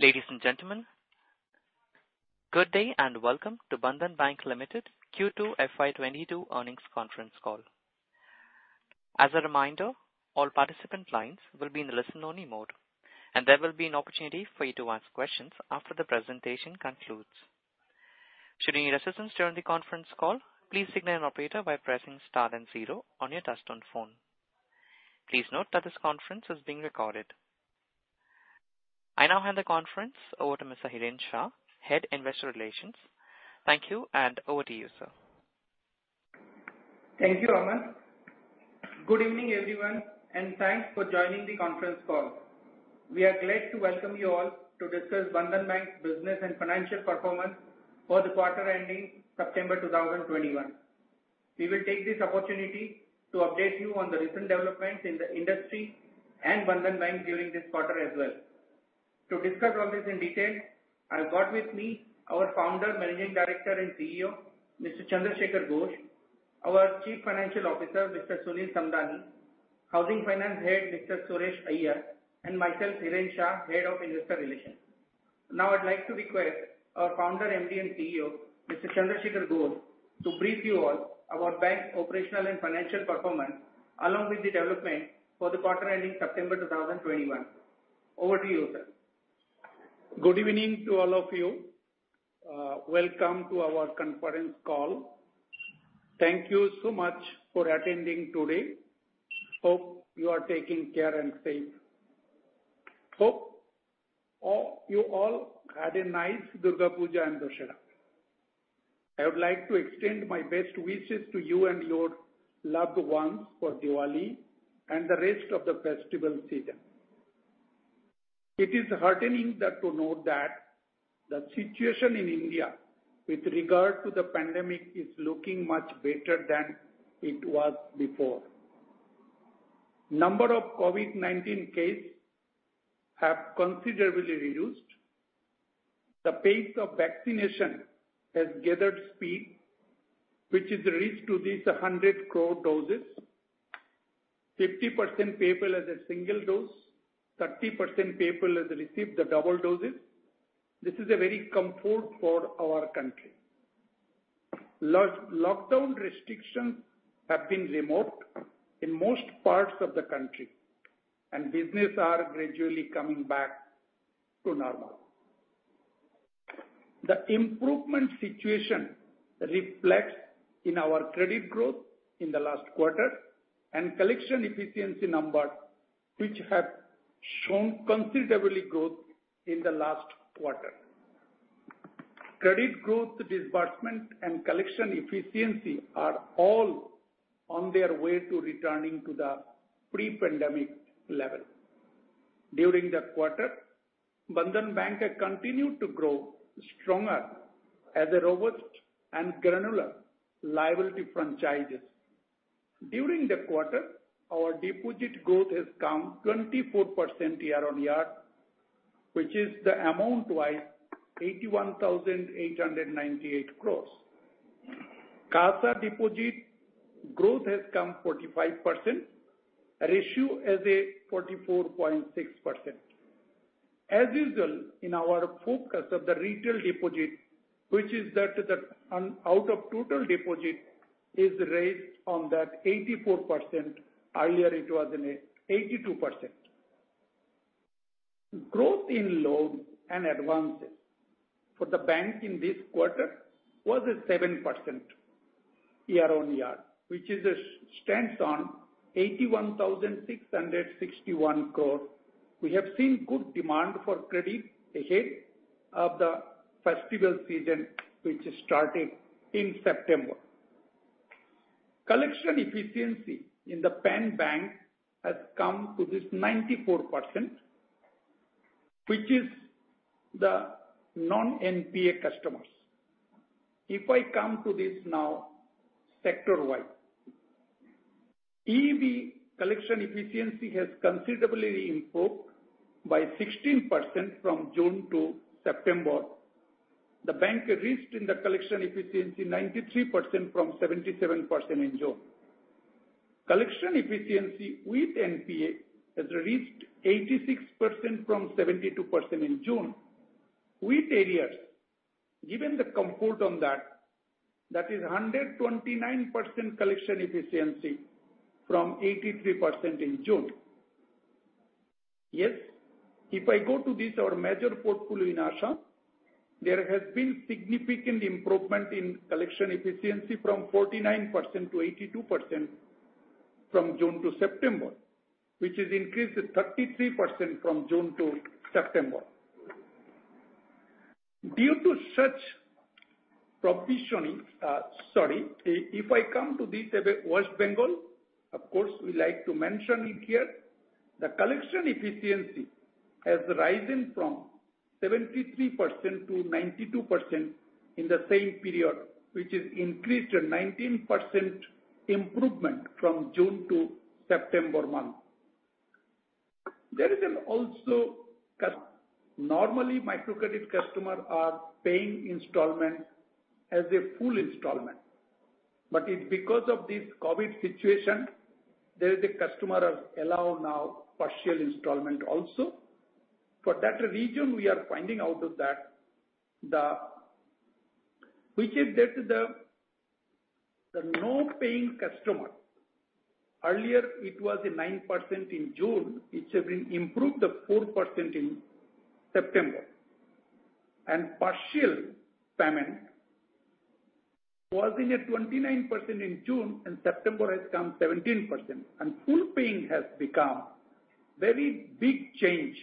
Ladies and gentlemen, good day, and welcome to Bandhan Bank Limited Q2 FY 2022 earnings conference call. As a reminder, all participant lines will be in listen only mode, and there will be an opportunity for you to ask questions after the presentation concludes. Should you need assistance during the conference call, please signal an operator by pressing star then zero on your touchtone phone. Please note that this conference is being recorded. I now hand the conference over to Mr. Hiren Shah, Head, Investor Relations. Thank you, and over to you, sir. Thank you, Aman. Good evening, everyone, and thanks for joining the conference call. We are glad to welcome you all to discuss Bandhan Bank's business and financial performance for the quarter ending September 2021. We will take this opportunity to update you on the recent developments in the industry and Bandhan Bank during this quarter as well. To discuss all this in detail, I've got with me our Founder, Managing Director and CEO, Mr. Chandra Shekhar Ghosh, our Chief Financial Officer, Mr. Sunil Samdani, Housing Finance Head, Mr. Suresh Iyer, and myself, Hiren Shah, Head of Investor Relations. Now, I'd like to request our Founder, MD, and CEO, Mr. Chandra Shekhar Ghosh, to brief you all about the bank's operational and financial performance, along with the development for the quarter ending September 2021. Over to you, sir. Good evening to all of you. Welcome to our conference call. Thank you so much for attending today. Hope you are taking care and safe. Hope you all had a nice Durga Puja and Dussehra. I would like to extend my best wishes to you and your loved ones for Diwali and the rest of the festival season. It is heartening to know that the situation in India with regard to the pandemic is looking much better than it was before. Number of COVID-19 cases have considerably reduced. The pace of vaccination has gathered speed, which has reached 100 crore doses. 50% of people have a single dose, 30% of people have received the double doses. This is a very comfort for our country. Lockdown restrictions have been removed in most parts of the country, and businesses are gradually coming back to normal. The improvement situation reflects in our credit growth in the last quarter and collection efficiency number, which have shown considerable growth in the last quarter. Credit growth disbursement and collection efficiency are all on their way to returning to the pre-pandemic level. During the quarter, Bandhan Bank had continued to grow stronger as a robust and granular liability franchise. During the quarter, our deposit growth has come 24% year-on-year, which is amount-wise 81,898 crores. CASA deposit growth has come 45%, ratio is 44.6%. As usual, in our focus of the retail deposit, which is that the out of total deposit is raised on that 84%. Earlier it was in a 82%. Growth in loans and advances for the bank in this quarter was 7% year-on-year, which stands at 81,661 crore. We have seen good demand for credit ahead of the festival season, which started in September. Collection efficiency in the bank has come to 94%, which is the non-NPA customers. If I come to the sector-wide now, EEB collection efficiency has considerably improved by 16% from June to September. The bank reached in the collection efficiency 93% from 77% in June. Collection efficiency with NPA has reached 86% from 72% in June with arrears. Given the comfort on that is 129% collection efficiency from 83% in June. Yes. If I go to this, our major portfolio in Assam, there has been significant improvement in collection efficiency from 49% to 82% from June to September, which is increased 33% from June to September. Due to such provisioning. If I come to this West Bengal, of course we like to mention it here, the collection efficiency has risen from 73% to 92% in the same period, which is increased 19% improvement from June to September month. There is an also normally microcredit customer are paying installment as a full installment. But it's because of this COVID situation, there the customer has allow now partial installment also. For that reason, we are finding out that the no-paying customer, earlier it was 9% in June, it has been improved to 4% in September. Partial payment was in at 29% in June, and September has come 17%. Full paying has become very big change.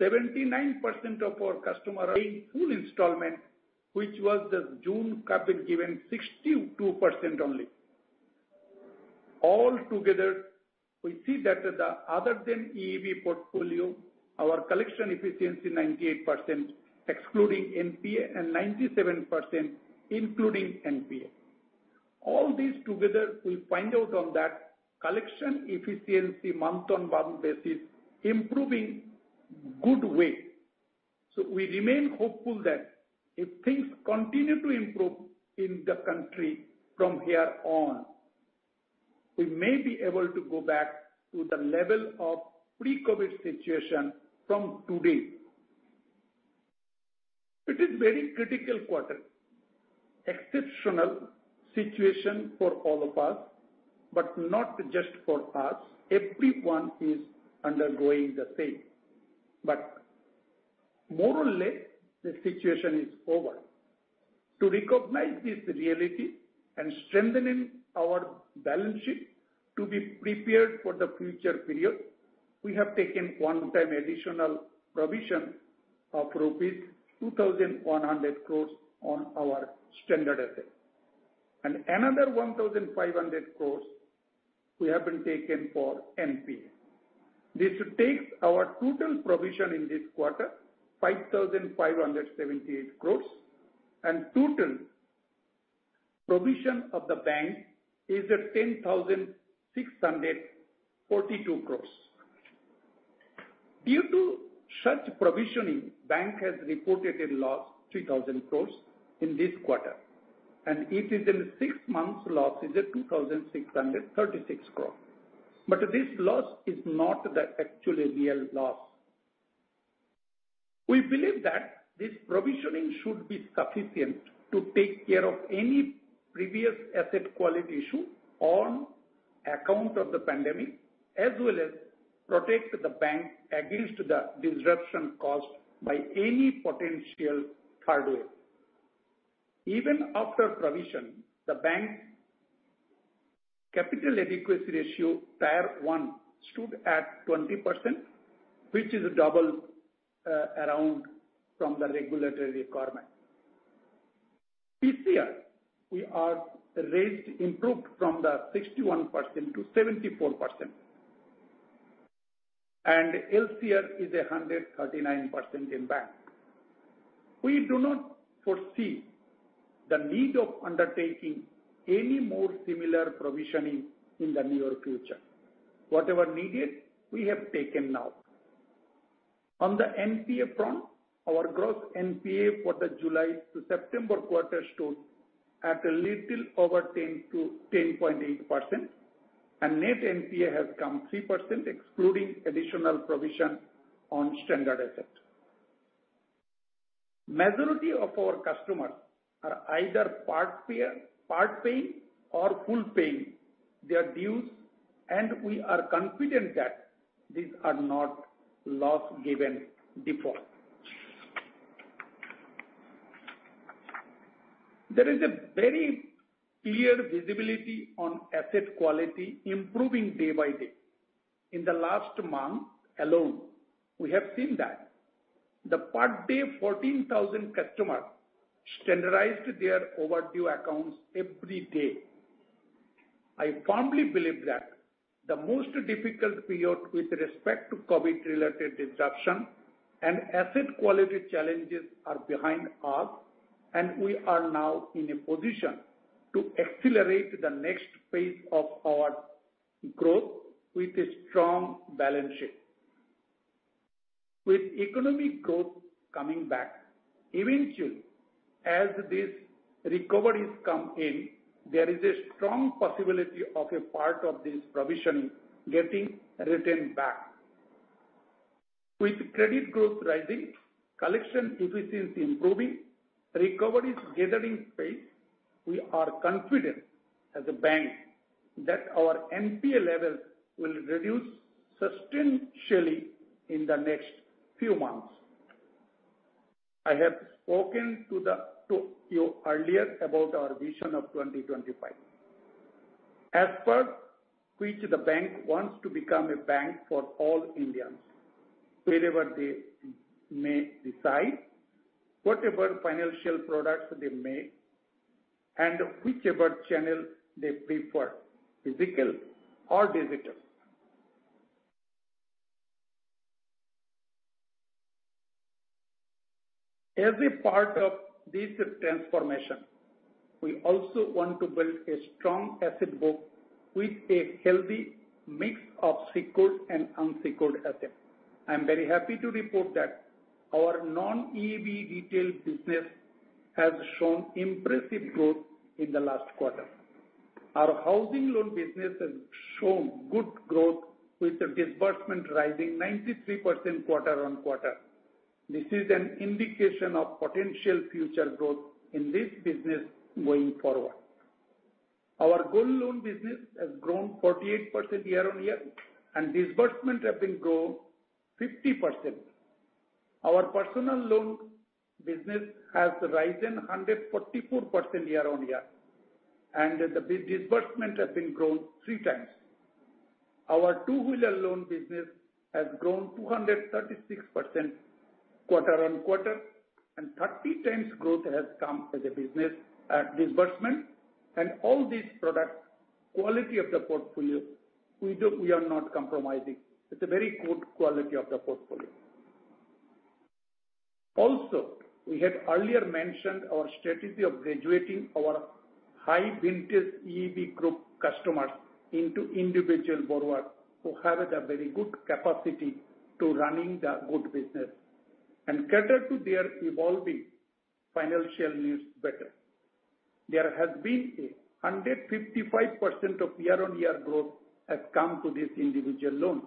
79% of our customer paying full installment, which was the June COVID given 62% only. Altogether, we see that the other than EEB portfolio, our collection efficiency 98%, excluding NPA and 97%, including NPA. All these together, we find out on that collection efficiency month-on-month basis improving good way. We remain hopeful that if things continue to improve in the country from here on, we may be able to go back to the level of pre-COVID situation from today. It is very critical quarter, exceptional situation for all of us, but not just for us. Everyone is undergoing the same. More or less, the situation is over. To recognize this reality and strengthening our balance sheet to be prepared for the future period, we have taken one-time additional provision of rupees 2,100 crores on our standard asset. Another one thousand five hundred crores we have taken for NPA. This takes our total provision in this quarter 5,578 crores, and total provision of the bank is at 10,642 crores. Due to such provisioning, bank has reported a loss of 3,000 crores in this quarter, and the six months loss is at 2,636 crores. This loss is not the actual real loss. We believe that this provisioning should be sufficient to take care of any previous asset quality issue on account of the pandemic, as well as protect the bank against the disruption caused by any potential third wave. Even after provision, the bank capital adequacy ratio tier one stood at 20%, which is double the regulatory requirement. PCR, we have raised, improved from the 61% to 74%. LCR is 139% in bank. We do not foresee the need of undertaking any more similar provisioning in the near future. Whatever needed, we have taken now. On the NPA front, our gross NPA for the July to September quarter stood at a little over 10%-10.8%, and net NPA has come 3%, excluding additional provision on standard asset. Majority of our customers are either part pay, part paying or full paying their dues, and we are confident that these are not loss given default. There is a very clear visibility on asset quality improving day by day. In the last month alone, we have seen that over 14,000 customers settled their overdue accounts every day. I firmly believe that the most difficult period with respect to COVID-19-related disruption and asset quality challenges are behind us, and we are now in a position to accelerate the next phase of our growth with a strong balance sheet. With economic growth coming back, eventually, as these recoveries come in, there is a strong possibility of a part of this provisioning getting written back. With credit growth rising, collection efficiency improving, recoveries gathering pace, we are confident as a bank that our NPA levels will reduce substantially in the next few months. I have spoken to you earlier about our vision of 2025. As per which the bank wants to become a bank for all Indians, wherever they may decide, whatever financial products they make, and whichever channel they prefer, physical or digital. As a part of this transformation, we also want to build a strong asset book with a healthy mix of secured and unsecured asset. I am very happy to report that our non-EEB retail business has shown impressive growth in the last quarter. Our housing loan business has shown good growth with the disbursement rising 93% quarter-on-quarter. This is an indication of potential future growth in this business going forward. Our gold loan business has grown 48% year-on-year and disbursement have been grown 50%. Our personal loan business has risen 144% year-on-year and the disbursement has been grown three times. Our two-wheeler loan business has grown 236% quarter on quarter and 30 times growth has come as a business at disbursement and all these products quality of the portfolio we are not compromising. It's a very good quality of the portfolio. Also, we had earlier mentioned our strategy of graduating our high vintage EEB group customers into individual borrowers who have the very good capacity to running the good business and cater to their evolving financial needs better. There has been a 155% year-on-year growth has come to this individual loan,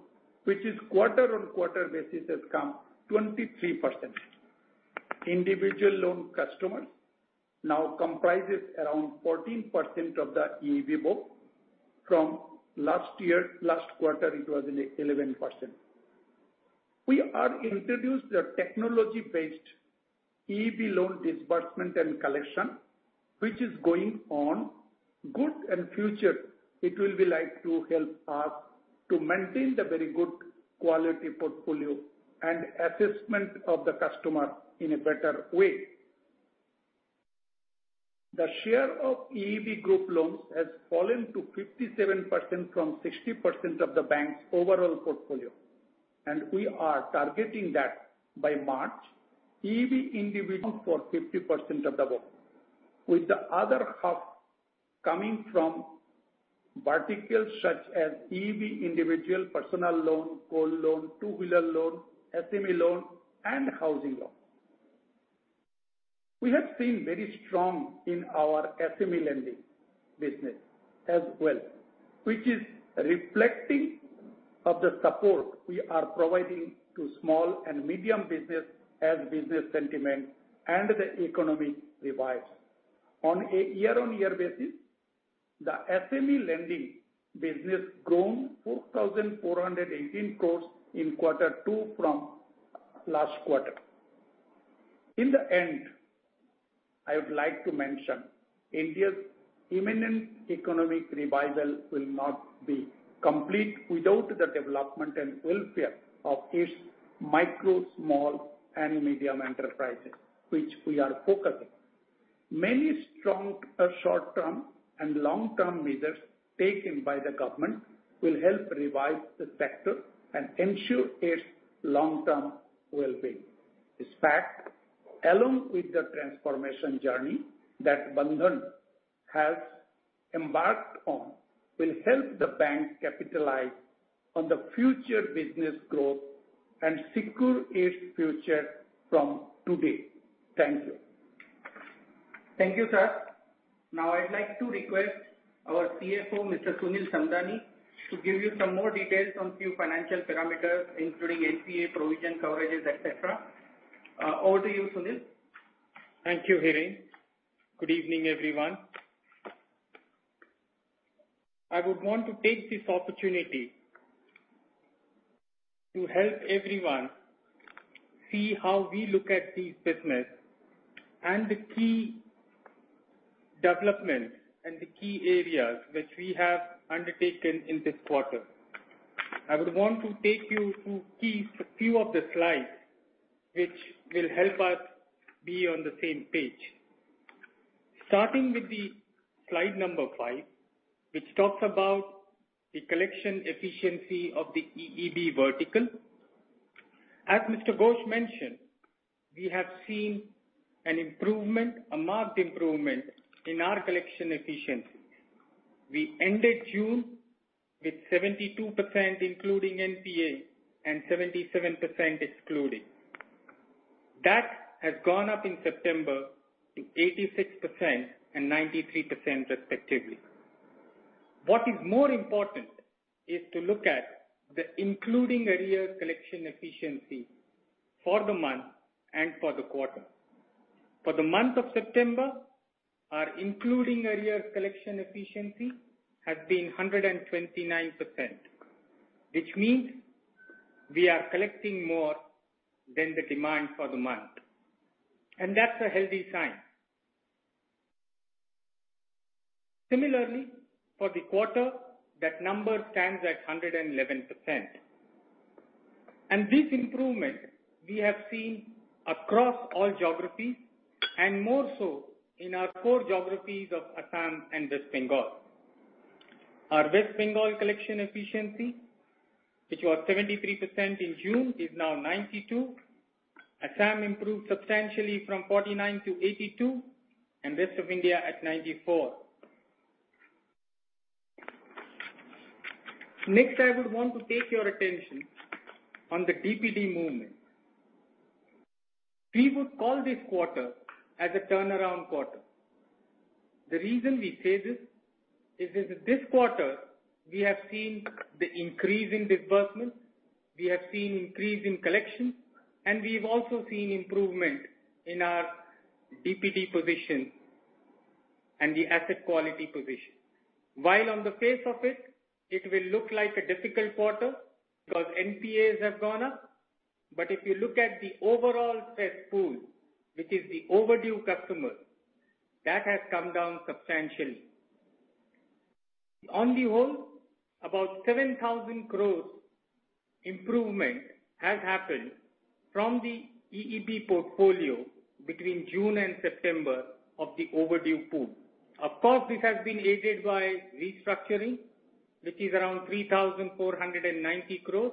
which is quarter on quarter basis has come 23%. Individual loan customers now comprises around 14% of the EEB book from last year. Last quarter it was eleven percent. We have introduced a technology-based EEB loan disbursement and collection, which is going on well and in future it will help us to maintain the very good quality portfolio and assessment of the customer in a better way. The share of EEB group loans has fallen to 57% from 60% of the bank's overall portfolio, and we are targeting that by March EEB individual for 50% of the book, with the other half coming from verticals such as EEB individual, personal loan, gold loan, two-wheeler loan, SME loan and housing loan. We have been very strong in our SME lending business as well, which is reflective of the support we are providing to small and medium businesses as business sentiment and the economy revives. On a year-on-year basis, the SME lending business grown 4,418 crore in quarter two from last quarter. In the end, I would like to mention India's imminent economic revival will not be complete without the development and welfare of its micro, small and medium enterprises which we are focusing. Many strong, short-term and long-term measures taken by the government will help revive the sector and ensure its long-term wellbeing. This fact, along with the transformation journey that Bandhan has embarked on, will help the bank capitalize on the future business growth and secure its future from today. Thank you. Thank you, sir. Now I'd like to request our CFO, Mr. Sunil Samdani, to give you some more details on few financial parameters, including NPA provision coverages, et cetera. Over to you, Sunil. Thank you, Hiren. Good evening, everyone. I would want to take this opportunity to help everyone see how we look at this business and the key developments and the key areas which we have undertaken in this quarter. I would want to take you through key, a few of the slides which will help us be on the same page. Starting with the slide number five, which talks about the collection efficiency of the EEB vertical. As Mr. Ghosh mentioned, we have seen an improvement, a marked improvement in our collection efficiencies. We ended June with 72% including NPA and 77% excluding. That has gone up in September to 86% and 93% respectively. What is more important is to look at the including arrears collection efficiency for the month and for the quarter. For the month of September, our including arrears collection efficiency has been 129%, which means we are collecting more than the demand for the month. That's a healthy sign. Similarly, for the quarter, that number stands at 111%. This improvement we have seen across all geographies and more so in our core geographies of Assam and West Bengal. Our West Bengal collection efficiency, which was 73% in June, is now 92%. Assam improved substantially from 49% to 82% and rest of India at 94%. Next, I would want to take your attention on the DPD movement. We would call this quarter as a turnaround quarter. The reason we say this is that this quarter we have seen the increase in disbursement, we have seen increase in collection, and we've also seen improvement in our DPD position and the asset quality position. While on the face of it will look like a difficult quarter because NPAs have gone up. If you look at the overall stress pool, which is the overdue customers, that has come down substantially. On the whole, about 7,000 crores improvement has happened from the EEB portfolio between June and September of the overdue pool. Of course, this has been aided by restructuring, which is around 3,490 crores.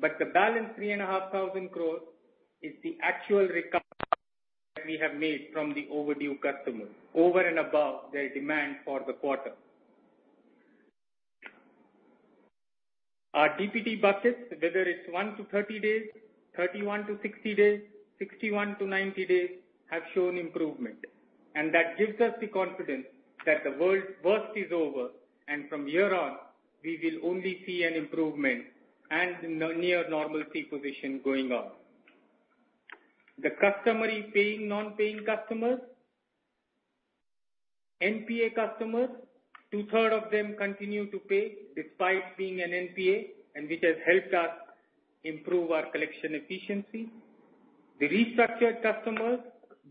The balance 3,500 crores is the actual recovery that we have made from the overdue customers over and above their demand for the quarter. Our DPD buckets, whether it's 1-30 days, 31-60 days, 61-90 days, have shown improvement. That gives us the confidence that the world's worst is over, and from here on, we will only see an improvement and near normalcy position going on. The customer is paying non-paying customers. NPA customers, two-thirds of them continue to pay despite being an NPA, and which has helped us improve our collection efficiency. The restructured customers,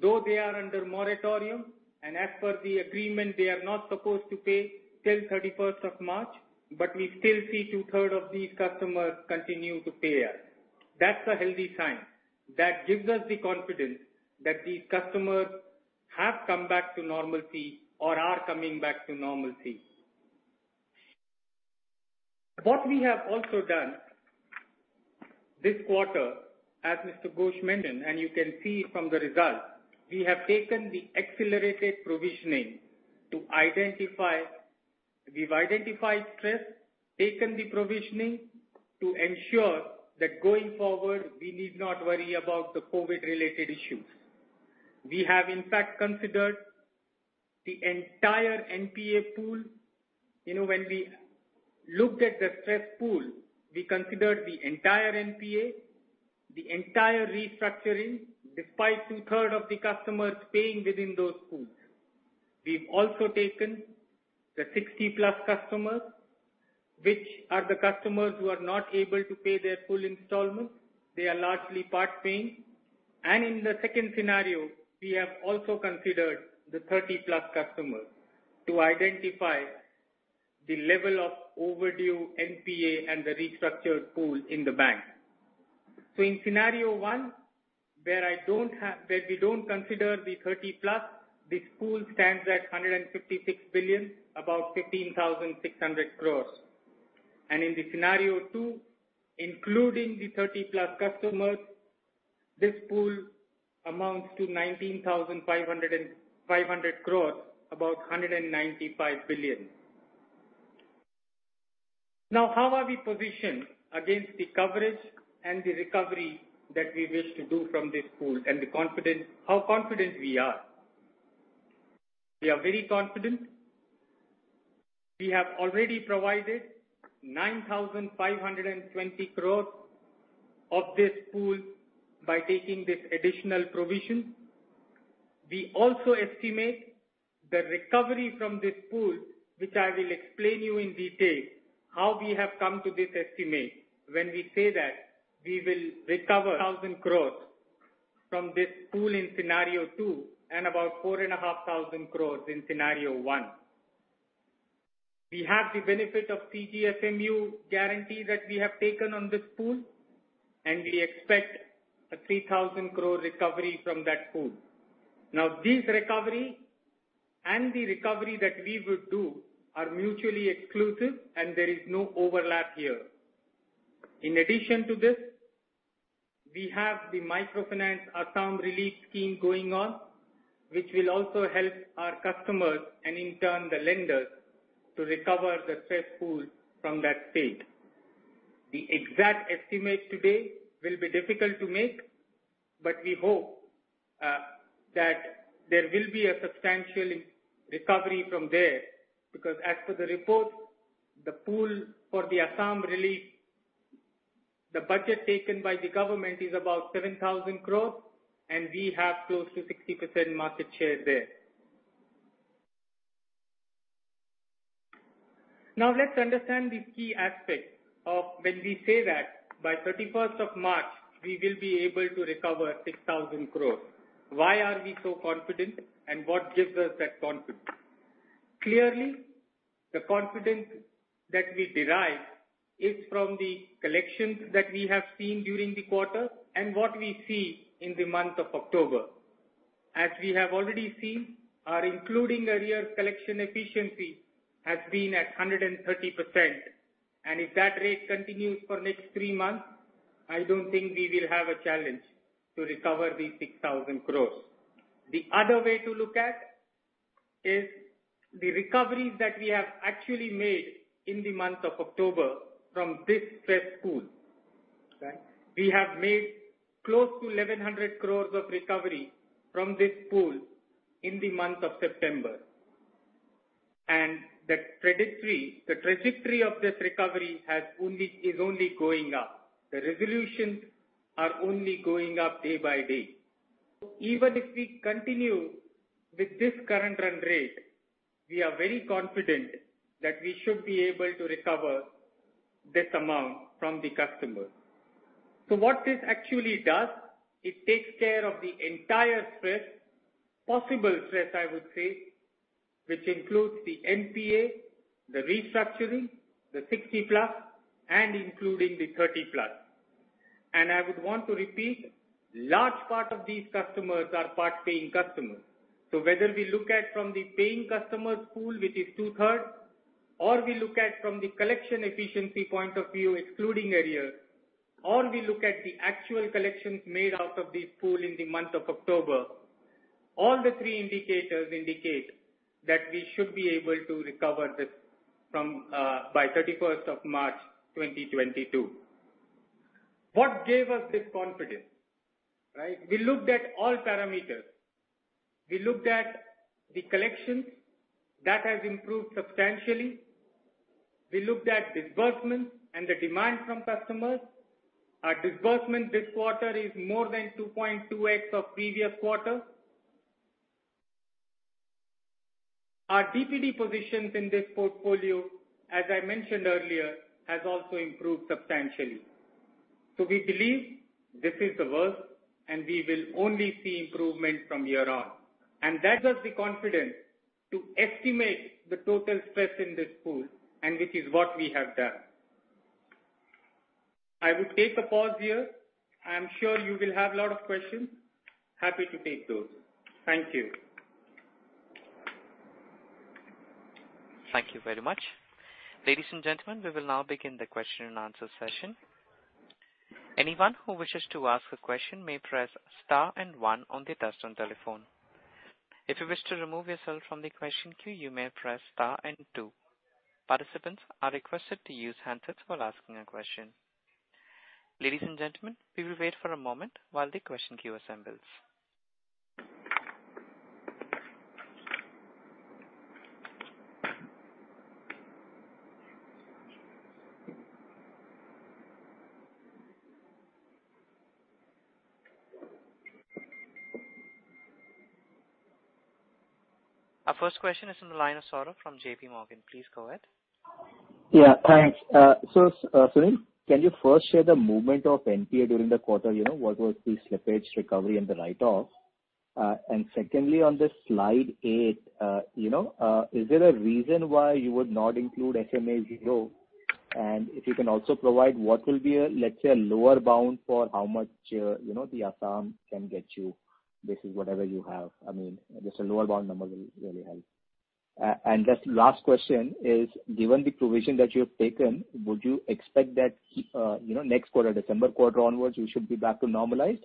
though they are under moratorium, and as per the agreement, they are not supposed to pay till thirty-first of March, but we still see two-thirds of these customers continue to pay us. That's a healthy sign. That gives us the confidence that these customers have come back to normalcy or are coming back to normalcy. What we have also done this quarter, as Mr. Ghosh mentioned, and you can see from the results, we have taken the accelerated provisioning to identify... We've identified stress, taken the provisioning to ensure that going forward, we need not worry about the COVID-related issues. We have, in fact, considered the entire NPA pool. You know, when we looked at the stress pool, we considered the entire NPA, the entire restructuring, despite two-thirds of the customers paying within those pools. We've also taken the 60-plus customers, which are the customers who are not able to pay their full installments. They are largely part-paying. In the second scenario, we have also considered the 30-plus customers to identify the level of overdue NPA and the restructured pool in the bank. In scenario one, where we don't consider the 30-plus, this pool stands at 156 billion, about 15,600 crores. In scenario two, including the 30+ customers, this pool amounts to 19,500 crores, about 195 billion. Now, how are we positioned against the coverage and the recovery that we wish to do from this pool, and the confidence how confident we are? We are very confident. We have already provided 9,520 crores of this pool by taking this additional provision. We also estimate the recovery from this pool, which I will explain to you in detail, how we have come to this estimate when we say that we will recover 1,000 crores from this pool in scenario two and about 4,500 crores in scenario one. We have the benefit of CGFMU guarantee that we have taken on this pool, and we expect a 3,000 crore recovery from that pool. Now, this recovery and the recovery that we will do are mutually exclusive, and there is no overlap here. In addition to this, we have the Assam Microfinance Relief Scheme going on, which will also help our customers and in turn the lenders to recover the stress pool from that state. The exact estimate today will be difficult to make, but we hope that there will be a substantial recovery from there, because as per the report, the pool for the Assam relief, the budget taken by the government is about 7,000 crores, and we have close to 60% market share there. Now, let's understand the key aspect of when we say that by 31st of March, we will be able to recover 6,000 crores. Why are we so confident and what gives us that confidence? Clearly, the confidence that we derive is from the collections that we have seen during the quarter and what we see in the month of October. As we have already seen, our including arrears collection efficiency has been at 130%. If that rate continues for next three months, I don't think we will have a challenge to recover the 6,000 crore. The other way to look at is the recoveries that we have actually made in the month of October from this stress pool, right? We have made close to 1,100 crore of recovery from this pool in the month of September. The trajectory of this recovery is only going up. The resolutions are only going up day by day. Even if we continue with this current run rate, we are very confident that we should be able to recover this amount from the customer. What this actually does, it takes care of the entire stress, possible stress, I would say, which includes the NPA, the restructuring, the 60-plus, and including the 30-plus. I would want to repeat, large part of these customers are part-paying customers. Whether we look at from the paying customers pool, which is two-thirds, or we look at from the collection efficiency point of view, excluding arrears, or we look at the actual collections made out of this pool in the month of October, all three indicators indicate that we should be able to recover this from by 31st of March 2022. What gave us this confidence, right? We looked at all parameters. We looked at the collections. That has improved substantially. We looked at disbursement and the demand from customers. Our disbursement this quarter is more than 2.2x of previous quarter. Our DPD positions in this portfolio, as I mentioned earlier, has also improved substantially. We believe this is the worst and we will only see improvement from here on, and that gives us the confidence to estimate the total stress in this pool, and which is what we have done. I would take a pause here. I am sure you will have a lot of questions. Happy to take those. Thank you. Thank you very much. Ladies and gentlemen, we will now begin the question-and-answer session. Anyone who wishes to ask a question may press star and one on their touchtone telephone. If you wish to remove yourself from the question queue, you may press star and two. Participants are requested to use handsets while asking a question. Ladies and gentlemen, we will wait for a moment while the question queue assembles. Our first question is on the line of Saurabh from JPMorgan. Please go ahead. Yeah, thanks. So, Sunil, can you first share the movement of NPA during the quarter? You know, what was the slippage recovery and the write-off? And secondly, on this slide eight, you know, is there a reason why you would not include SMA-0? And if you can also provide what will be a, let's say, a lower bound for how much, you know, the Assam can get you based on whatever you have. I mean, just a lower bound number will really help. And just last question is, given the provision that you have taken, would you expect that, you know, next quarter, December quarter onwards, you should be back to normalized?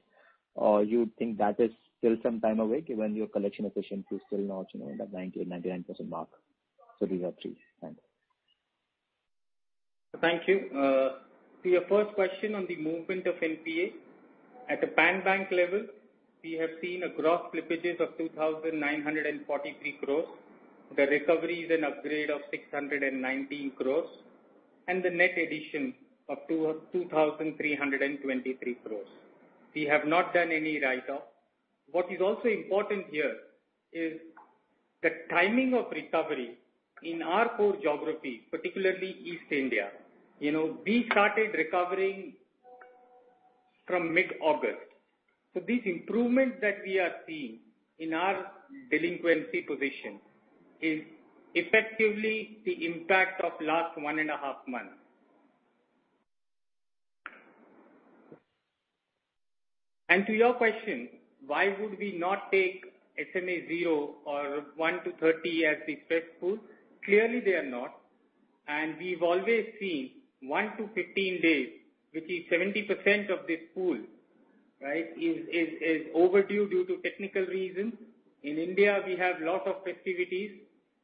Or you think that is still some time away given your collection efficiency is still not, you know, in the 99% mark. So these are three. Thanks. Thank you. To your first question on the movement of NPA. At a pan bank level, we have seen gross slippages of 2,943 crore. The recovery is an upgrade of 619 crore and the net addition of 2,323 crore. We have not done any write-off. What is also important here is the timing of recovery in our core geography, particularly East India. You know, we started recovering from mid-August. These improvements that we are seeing in our delinquency position is effectively the impact of last one and a half months. To your question, why would we not take SMA 0 or 1-30 as the stress pool? Clearly, they are not, and we've always seen 1 to 15 days, which is 70% of this pool, right, is overdue due to technical reasons. In India, we have a lot of festivities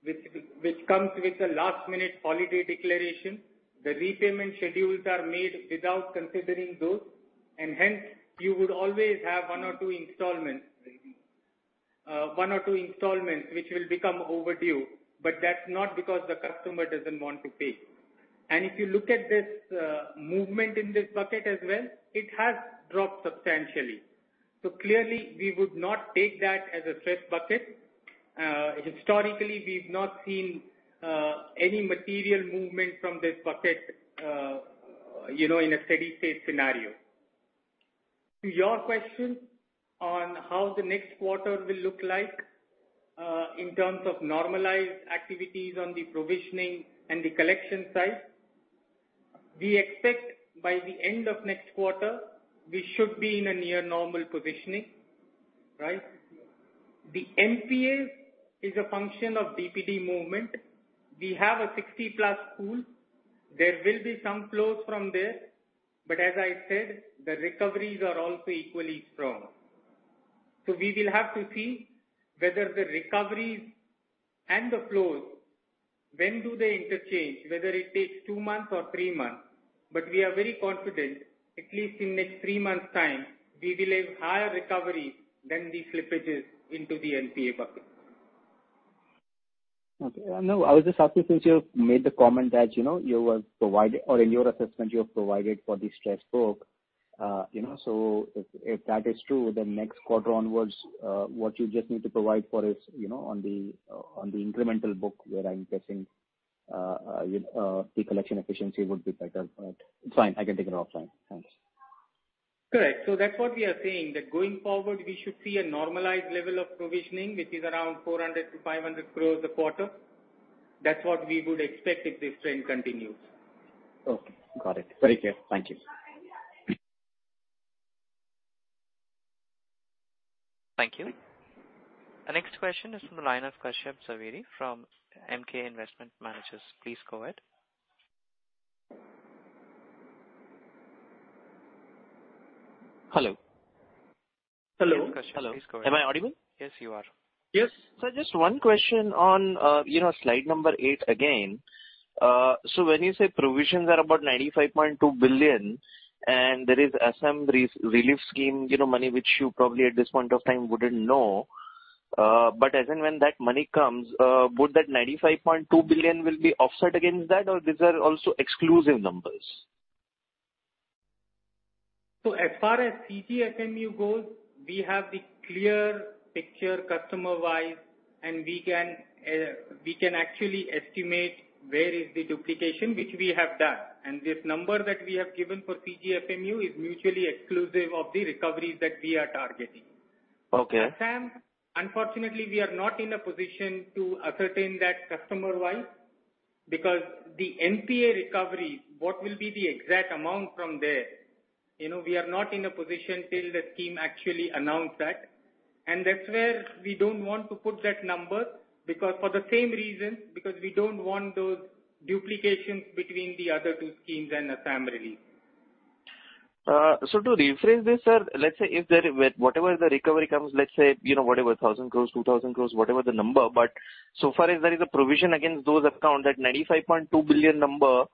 which comes with a last-minute holiday declaration. The repayment schedules are made without considering those, and hence you would always have one or two installments which will become overdue, but that's not because the customer doesn't want to pay. If you look at this movement in this bucket as well, it has dropped substantially. Clearly we would not take that as a stress bucket. Historically we've not seen any material movement from this bucket, you know, in a steady state scenario. To your question on how the next quarter will look like, in terms of normalized activities on the provisioning and the collection side, we expect by the end of next quarter, we should be in a near normal positioning, right? The NPA is a function of DPD movement. We have a 60+ pool. There will be some flows from there, but as I said, the recoveries are also equally strong. We will have to see whether the recoveries and the flows, when do they interchange, whether it takes two months or three months. We are very confident, at least in next three months' time, we will have higher recoveries than the slippages into the NPA bucket. Okay. No, I was just asking since you made the comment that, you know, you were providing or in your assessment you have provided for the stressed book. You know, so if that is true, then next quarter onwards, what you just need to provide for is, you know, on the incremental book where I'm guessing the collection efficiency would be better. But it's fine. I can take it offline. Thanks. Correct. That's what we are saying, that going forward we should see a normalized level of provisioning, which is around 400 crore-500 crore a quarter. That's what we would expect if this trend continues. Okay. Got it. Very clear. Thank you. Thank you. The next question is from the line of Kashyap Javeri from Emkay Investment Managers. Please go ahead. Hello. Hello. Hello, Kashyap. Please go ahead. Am I audible? Yes, you are. Yes. Just one question on slide number 8 again. When you say provisions are about 95.2 billion and there is Assam relief scheme, you know, money which you probably at this point of time wouldn't know, but as and when that money comes, would that 95.2 billion will be offset against that or these are also exclusive numbers? As far as CGFMU goes, we have the clear picture customer-wise, and we can actually estimate where is the duplication, which we have done. This number that we have given for CGFMU is mutually exclusive of the recoveries that we are targeting. Okay. Assam, unfortunately, we are not in a position to ascertain that customer-wise because the NPA recovery, what will be the exact amount from there, you know, we are not in a position till the scheme actually announce that. That's where we don't want to put that number because for the same reason, because we don't want those duplications between the other two schemes and Assam relief. To rephrase this, sir, let's say if there, with whatever the recovery comes, let's say, you know, whatever 1,000 crore, 2,000 crore, whatever the number, but so far as there is a provision against those account, that 95.2 billion number,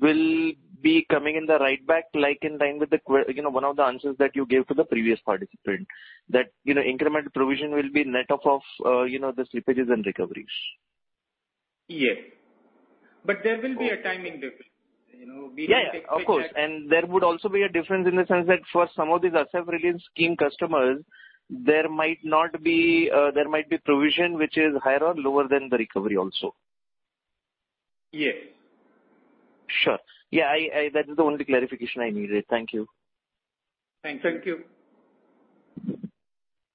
will be coming in the write back, like in line with the, you know, one of the answers that you gave to the previous participant. That, you know, incremental provision will be net of, you know, the slippages and recoveries. Yes. There will be a timing difference. You know, we have to take. Yeah, of course. There would also be a difference in the sense that for some of these Assam Relief Scheme customers, there might be provision which is higher or lower than the recovery also. Yes. Sure. Yeah, that is the only clarification I needed. Thank you. Thanks.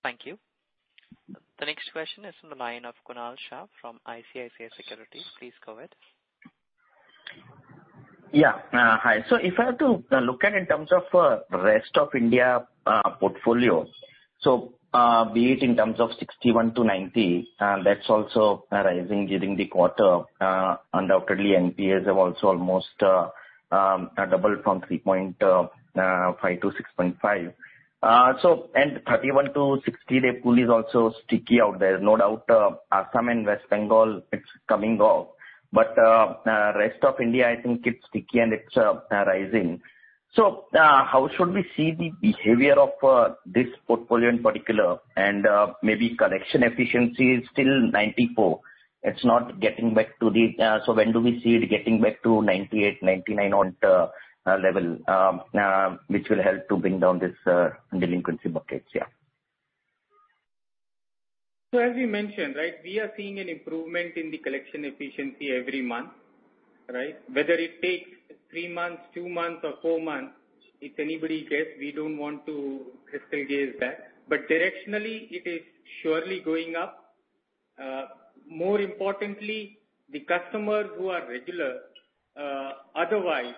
Thank you. The next question is from the line of Kunal Shah from ICICI Securities. Please go ahead. Yeah. Hi. If I have to look at in terms of rest of India portfolio, be it in terms of 61-90, that's also arising during the quarter. Undoubtedly NPAs have also almost doubled from 3.5-6.5. And 31-60, the pool is also sticky out there. No doubt, Assam and West Bengal, it's coming off. But rest of India, I think it's sticky and it's rising. How should we see the behavior of this portfolio in particular and maybe collection efficiency is still 94%. It's not getting back to the level. When do we see it getting back to 98%-99% which will help to bring down this delinquency buckets? Yeah. As we mentioned, right, we are seeing an improvement in the collection efficiency every month, right? Whether it takes three months, two months or four months, if anybody gets, we don't want to crystal gaze that. Directionally, it is surely going up. More importantly, the customers who are regular, otherwise,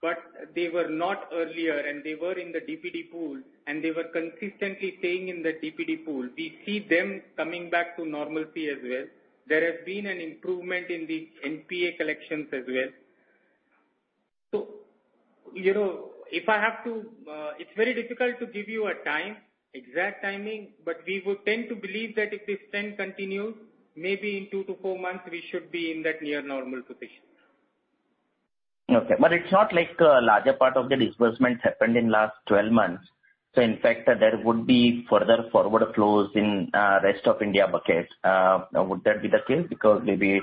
but they were not earlier and they were in the DPD pool and they were consistently staying in the DPD pool, we see them coming back to normalcy as well. There has been an improvement in the NPA collections as well. You know, if I have to, it's very difficult to give you a time, exact timing, but we would tend to believe that if this trend continues, maybe in two-four months, we should be in that near normal position. Okay. It's not like a larger part of the disbursement happened in last 12 months. In fact, there would be further forward flows in rest of India buckets. Would that be the case? Because maybe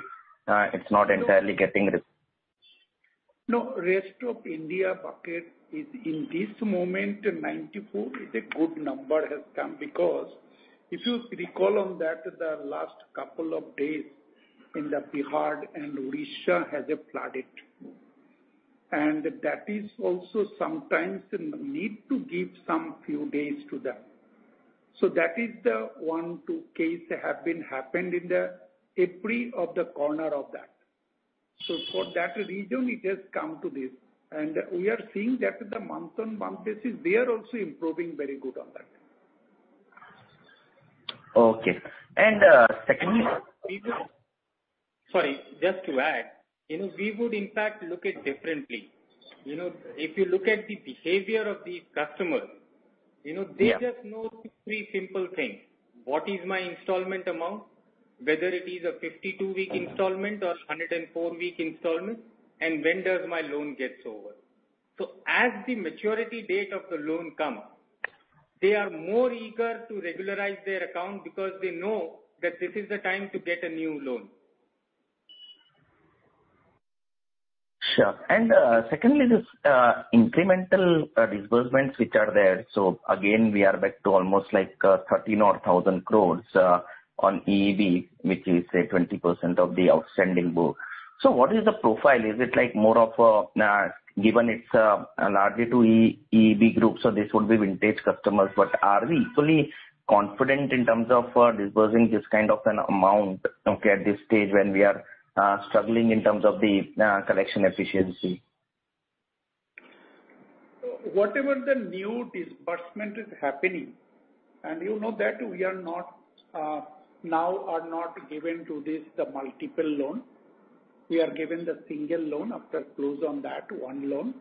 it's not entirely getting this. No, rest of India bucket is at this moment, 94 is a good number that has come because if you recall, the last couple of days in Bihar and Odisha have flooded. That is also sometimes need to give some few days to them. That is the one or two cases that have happened in every corner of that. For that reason, it has come to this. We are seeing that on a month-on-month basis, they are also improving very good on that. Okay. Secondly Sorry, just to add, you know, we would in fact look at differently. You know, if you look at the behavior of these customers, you know- Yeah. They just know three simple things, what is my installment amount, whether it is a 52-week installment or a 104-week installment, and when does my loan gets over. As the maturity date of the loan come, they are more eager to regularize their account because they know that this is the time to get a new loan. Sure. Secondly, this incremental disbursements which are there. Again, we are back to almost like 13,000 crores on EEB, which is say 20% of the outstanding book. What is the profile? Is it like more of a given it's largely to EEB group, so this would be vintage customers, but are we equally confident in terms of disbursing this kind of an amount, okay, at this stage when we are struggling in terms of the collection efficiency? Whatever the new disbursement is happening, and you know that we are not now given to this, the multiple loan. We are given the single loan after close on that one loan,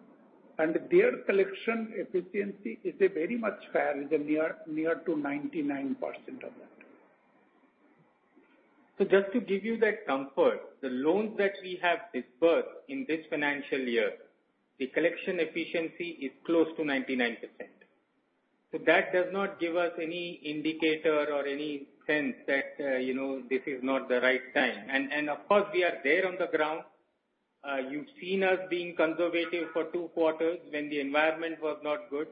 and their collection efficiency is very much fair, near to 99% of that. Just to give you that comfort, the loans that we have disbursed in this financial year, the collection efficiency is close to 99%. That does not give us any indicator or any sense that, you know, this is not the right time. Of course, we are there on the ground. You've seen us being conservative for two quarters when the environment was not good.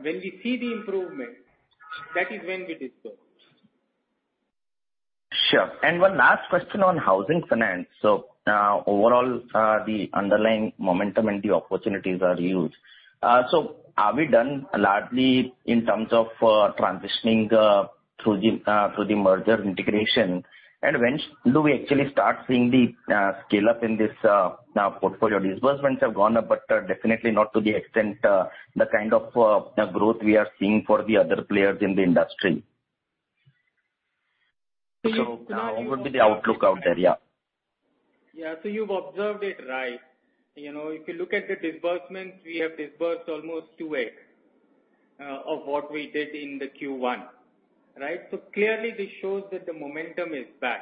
When we see the improvement, that is when we disburse. Sure. One last question on housing finance. Overall, the underlying momentum and the opportunities are huge. Are we done largely in terms of transitioning through the merger integration? When should we actually start seeing the scale up in this portfolio? Disbursement have gone up, but definitely not to the extent the kind of growth we are seeing for the other players in the industry. So you What would be the outlook out there? Yeah. Yeah. You've observed it right. You know, if you look at the disbursement, we have disbursed almost 2x of what we did in the Q1, right? Clearly this shows that the momentum is back.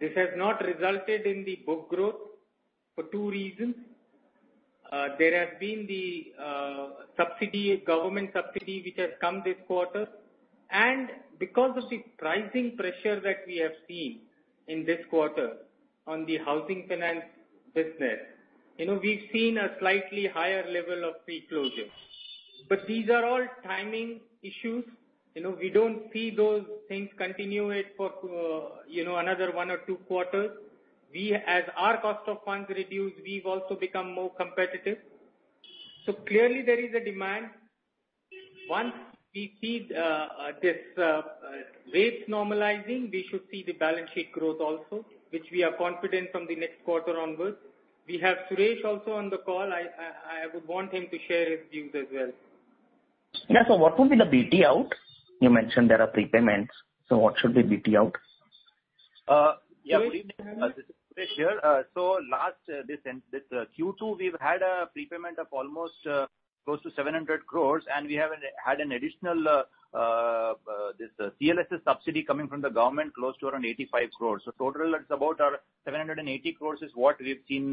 This has not resulted in the book growth for two reasons. There has been the government subsidy which has come this quarter. Because of the pricing pressure that we have seen in this quarter on the housing finance business, you know, we've seen a slightly higher level of pre-closure. These are all timing issues. You know, we don't see those things continue it for, you know, another one or two quarters. As our cost of funds reduce, we've also become more competitive. Clearly there is a demand. Once we see rates normalizing, we should see the balance sheet growth also, which we are confident from the next quarter onwards. We have Suresh also on the call. I would want him to share his views as well. Yeah. What would be the pay out? You mentioned there are prepayments, so what should be pay out? Yeah. This is Suresh here. This Q2, we've had a prepayment of almost close to 700 crores, and we had an additional this CLSS subsidy coming from the government, close to around 85 crores. Total it's about 780 crores is what we've seen,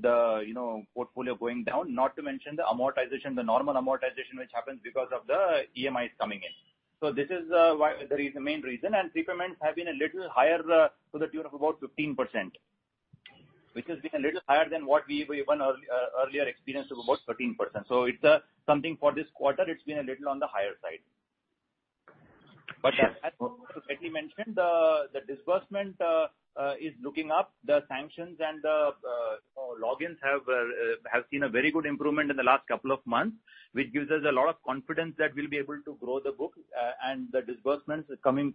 the portfolio going down. Not to mention the amortization, the normal amortization which happens because of the EMIs coming in. This is the reason, main reason, and prepayments have been a little higher to the tune of about 15%, which has been a little higher than what we even earlier experienced of about 13%. It's something for this quarter, it's been a little on the higher side. Sure. As rightly mentioned, the disbursement is looking up. The sanctions and the, you know, logins have seen a very good improvement in the last couple of months, which gives us a lot of confidence that we'll be able to grow the book, and the disbursements coming,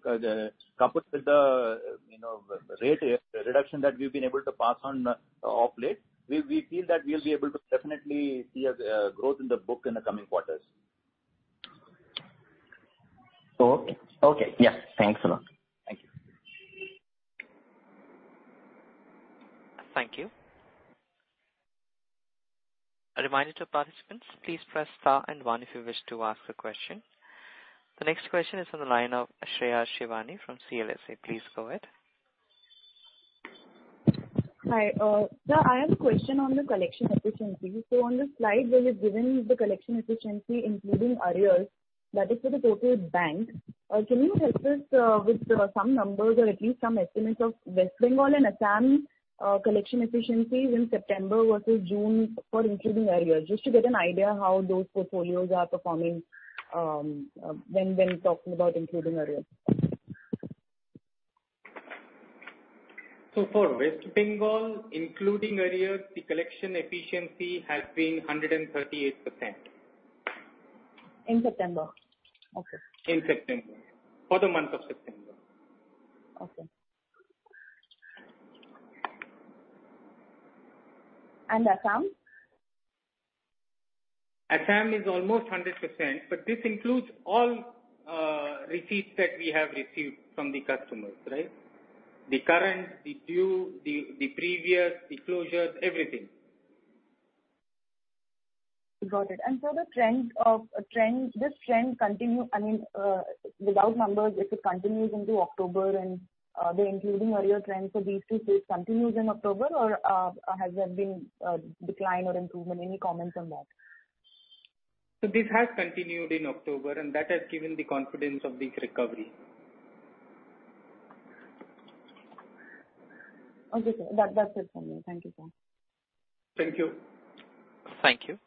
coupled with the, you know, rate reduction that we've been able to pass on, of late, we feel that we'll be able to definitely see a growth in the book in the coming quarters. Okay. Yeah. Thanks a lot. Thank you. Thank you. A reminder to participants, please press star and one if you wish to ask a question. The next question is on the line of Shreya Shivani from CLSA. Please go ahead. Hi. I have a question on the collection efficiency. On the slide where you've given the collection efficiency including arrears, that is for the total bank. Can you help us with some numbers or at least some estimates of West Bengal and Assam collection efficiencies in September versus June for including arrears, just to get an idea how those portfolios are performing when talking about including arrears? For West Bengal, including arrears, the collection efficiency has been 138%. In September? Okay. For the month of September. Okay. Assam? Assam is almost 100%, but this includes all receipts that we have received from the customers, right? The current, the due, the previous, the closures, everything. Got it. For the trend, this trend continue, I mean, without numbers, if it continues into October and the including earlier trends for these two states continues in October or has there been a decline or improvement? Any comments on that? This has continued in October and that has given the confidence of this recovery. Okay, sir. That's it from me. Thank you, sir. Thank you. Thank you.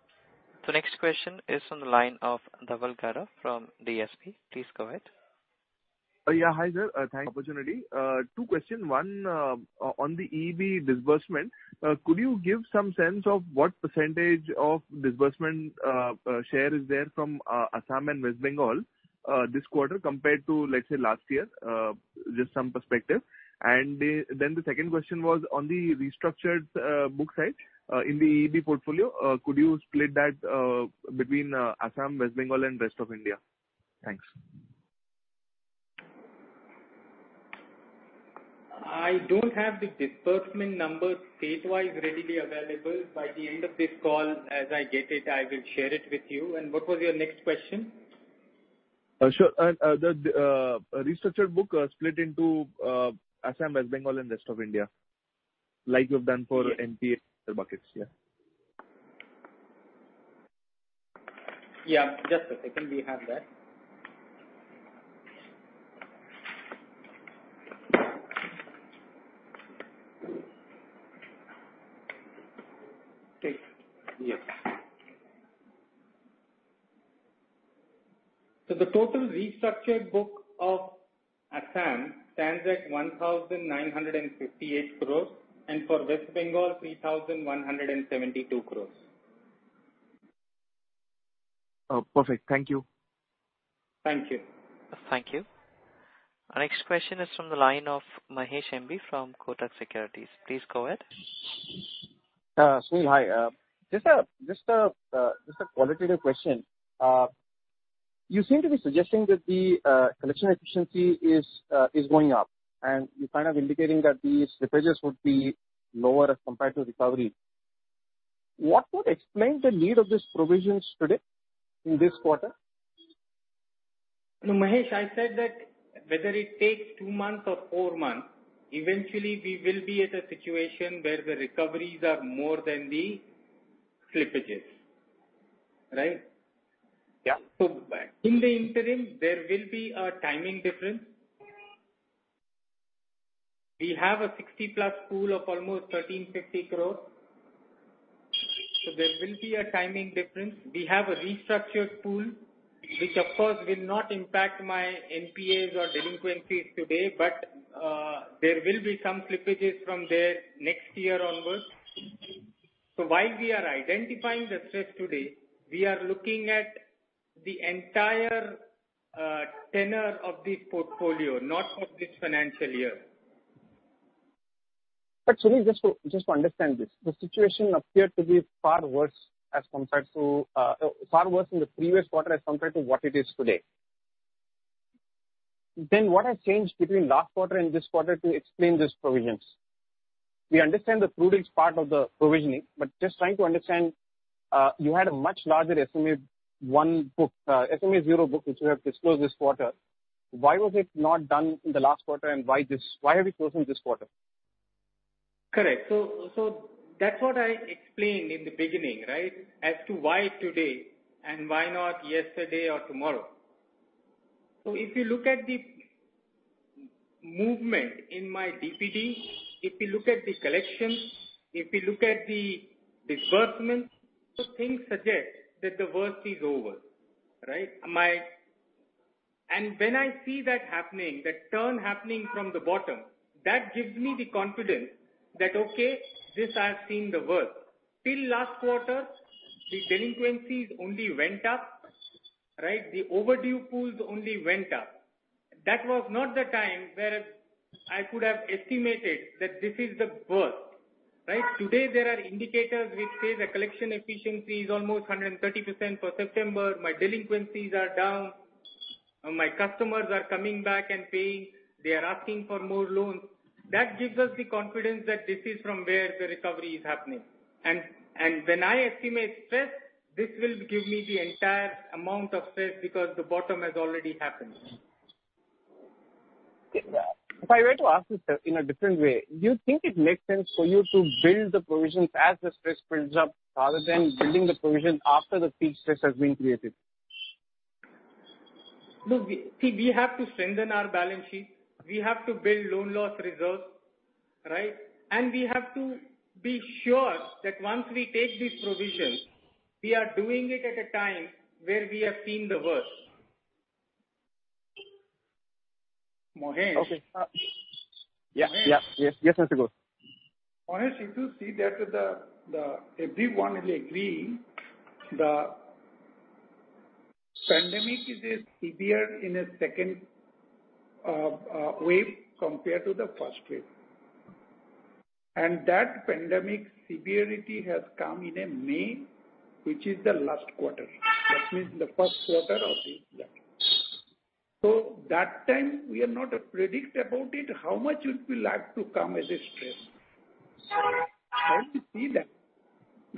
Next question is from the line of Dhaval Gada from DSP. Please go ahead. Yeah. Hi there. Thanks for the opportunity. Two questions. One, on the EEB disbursement, could you give some sense of what percentage of disbursement share is there from Assam and West Bengal this quarter compared to, let's say, last year? Just some perspective. Then the second question was on the restructured book side in the EEB portfolio. Could you split that between Assam, West Bengal and rest of India? Thanks. I don't have the disbursement numbers state-wise readily available. By the end of this call, as I get it, I will share it with you. What was your next question? Sure. The restructured book, split into Assam, West Bengal and rest of India, like you've done for NPA buckets. Yeah. Yeah. Just a second. We have that. Yes. The total restructured book of Assam stands at 1,958 crore and for West Bengal, 3,172 crore. Oh, perfect. Thank you. Thank you. Thank you. Our next question is from the line of M.B. Mahesh from Kotak Securities. Please go ahead. Sunil, hi. Just a qualitative question. You seem to be suggesting that the collection efficiency is going up and you're kind of indicating that these slippages would be lower as compared to recovery. What would explain the need of these provisions today in this quarter? No, M.B. Mahesh, I said that whether it takes two months or four months, eventually we will be at a situation where the recoveries are more than the slippages. Right? Yeah. In the interim, there will be a timing difference. We have a 60+ pool of almost 1,350 crores. There will be a timing difference. We have a restructured pool, which of course will not impact my NPAs or delinquencies today, but there will be some slippages from there next year onwards. While we are identifying the stress today, we are looking at the entire tenure of this portfolio, not of this financial year. Sunil, just to understand this, the situation appeared to be far worse in the previous quarter as compared to what it is today. What has changed between last quarter and this quarter to explain these provisions? We understand the prudent part of the provisioning, but just trying to understand, you had a much larger SMA-1 book, SMA-0 book, which you have disclosed this quarter. Why was it not done in the last quarter, and why this? Why are we closing this quarter? Correct. That's what I explained in the beginning, right? As to why today and why not yesterday or tomorrow. If you look at the movement in my DPD, if you look at the collections, if you look at the disbursements, things suggest that the worst is over, right? My and when I see that happening, that turn happening from the bottom, that gives me the confidence that, okay, this I have seen the worst. Till last quarter the delinquencies only went up, right? The overdue pools only went up. That was not the time where I could have estimated that this is the worst, right? Today, there are indicators which say the collection efficiency is almost 130% for September. My delinquencies are down and my customers are coming back and paying. They are asking for more loans. That gives us the confidence that this is from where the recovery is happening. When I estimate stress, this will give me the entire amount of stress because the bottom has already happened. If I were to ask this in a different way, do you think it makes sense for you to build the provisions as the stress builds up rather than building the provision after the peak stress has been created? Look, we have to strengthen our balance sheet. We have to build loan loss reserves, right? We have to be sure that once we take these provisions, we are doing it at a time where we have seen the worst. Mahesh. Okay. Mahesh. Yes, Mr. Ghosh. Mahesh, if you see that everyone will agree the pandemic is more severe in the second wave compared to the first wave. That pandemic severity has come in May, which is the last quarter. That means the first quarter of the year. That time we are not predicting about it, how much it will likely come as a stress. How do you see that?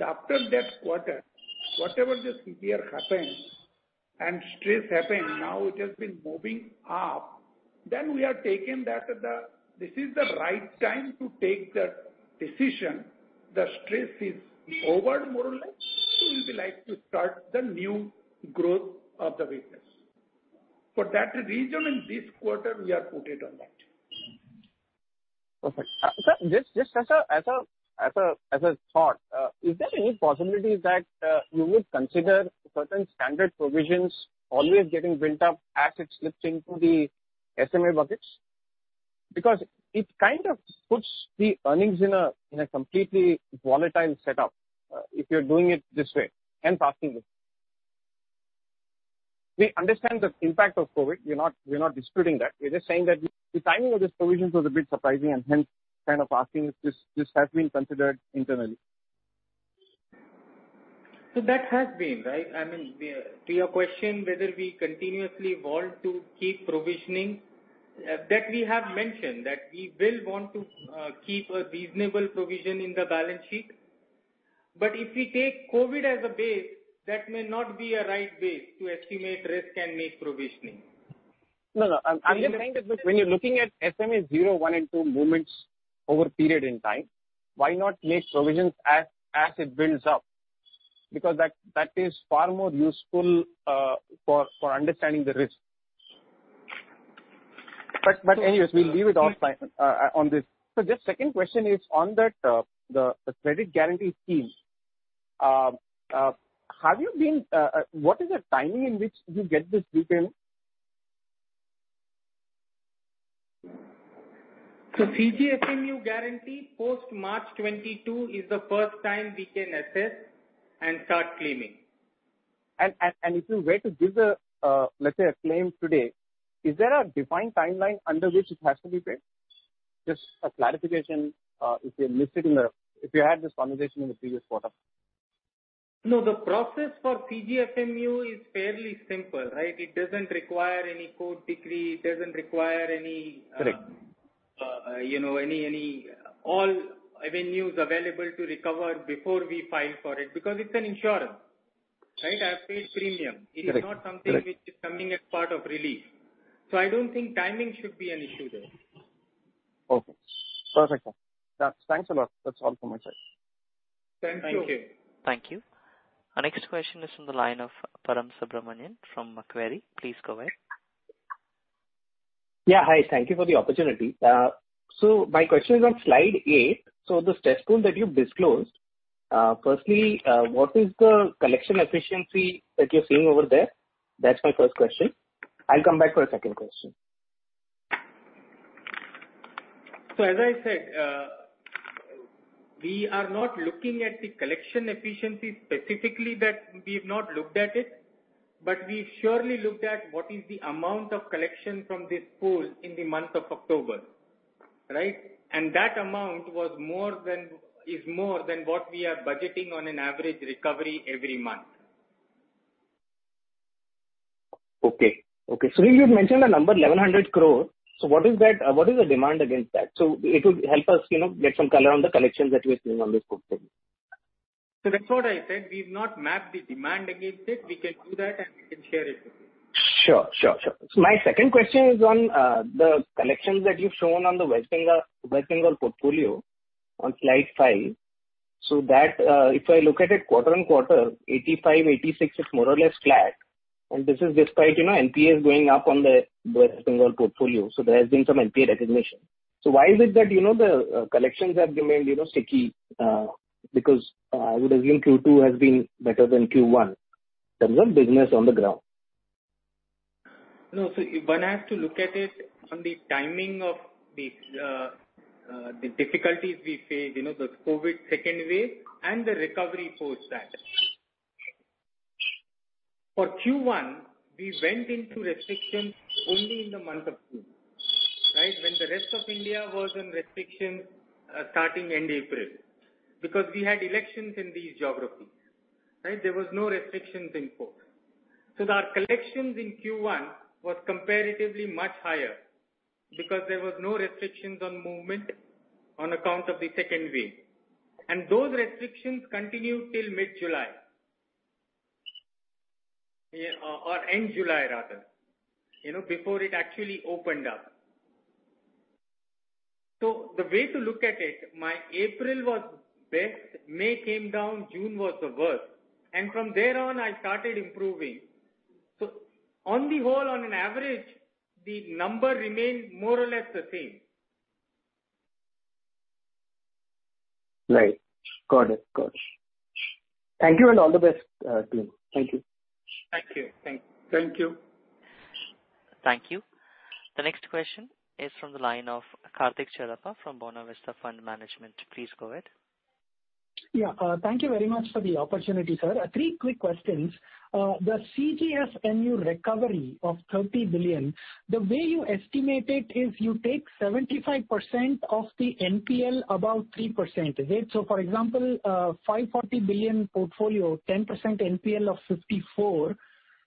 After that quarter, whatever severity happened and stress happened, now it has been moving up. We have taken that this is the right time to take the decision. The stress is over more or less. We'd like to start the new growth of the business. For that reason, in this quarter we are putting it on that. Perfect. Sir, just as a thought, is there any possibility that you would consider certain standard provisions always getting built up as it's lifting to the SMA buckets? Because it kind of puts the earnings in a completely volatile setup, if you're doing it this way, hence asking this. We understand the impact of COVID. We're not disputing that. We're just saying that the timing of this provision was a bit surprising and hence kind of asking if this has been considered internally. That has been, right? I mean, to your question whether we continuously want to keep provisioning, that we have mentioned that we will want to keep a reasonable provision in the balance sheet. If we take COVID as a base, that may not be a right base to estimate risk and make provisioning. No. I'm just saying that when you're looking at SMA zero, one and two movements over a period in time, why not make provisions as it builds up? Because that is far more useful for understanding the risk. Anyways, we'll leave it off on this. Just second question is on that, the credit guarantee scheme. What is the timing in which you get this repayment? CGFMU guarantee post-March 2022 is the first time we can assess and start claiming. If you were to give a, let's say, a claim today, is there a defined timeline under which it has to be paid? Just a clarification, if we have missed it, if we had this conversation in the previous quarter. No, the process for CGFMU is fairly simple, right? It doesn't require any court decree. It doesn't require any. Correct. you know, all avenues available to recover before we file for it, because it's an insurance, right? I have paid premium. Correct. Correct. It is not something which is coming as part of relief. I don't think timing should be an issue there. Okay. Perfect, sir. Thanks a lot. That's all from my side. Thank you. Thank you. Our next question is from the line of Param Subramanian from Macquarie. Please go ahead. Yeah. Hi. Thank you for the opportunity. My question is on slide eight. The stress pool that you've disclosed, firstly, what is the collection efficiency that you're seeing over there? That's my first question. I'll come back for a second question. As I said, we are not looking at the collection efficiency specifically that we've not looked at it, but we surely looked at what is the amount of collection from this pool in the month of October, right? That amount is more than what we are budgeting on an average recovery every month. Okay. Sunil, you've mentioned the number 1,100 crore. What is the demand against that? It would help us, you know, get some color on the collections that we are seeing on this portfolio. That's what I said. We've not mapped the demand against it. We can do that, and we can share it with you. My second question is on the collections that you've shown on the West Bengal portfolio on slide five. If I look at it quarter-on-quarter, 85%-86% is more or less flat. This is despite, you know, NPAs going up on the West Bengal portfolio. There has been some NPA recognition. Why is it that, you know, the collections have remained, you know, sticky, because I would assume Q2 has been better than Q1 in terms of business on the ground. No. One has to look at it on the timing of the difficulties we faced, you know, the COVID-19 second wave and the recovery post that. For Q1, we went into restrictions only in the month of June, right? When the rest of India was on restrictions starting end April, because we had elections in these geographies, right? There was no restrictions in force. Our collections in Q1 was comparatively much higher because there was no restrictions on movement on account of the second wave. Those restrictions continued till mid-July. Yeah. Or end July rather, you know, before it actually opened up. The way to look at it, in April was best, May came down, June was the worst, and from there on I started improving. On the whole, on an average, the number remained more or less the same. Right. Got it. Thank you and all the best to you. Thank you. Thank you. Thank you. Thank you. The next question is from the line of Kartik Chellappa from Buena Vista Fund Management. Please go ahead. Yeah. Thank you very much for the opportunity, sir. Three quick questions. The CGFMU recovery of 30 billion, the way you estimate it is you take 75% of the NPL above 3%, is it? For example, 540 billion portfolio, 10% NPL of 54 billion.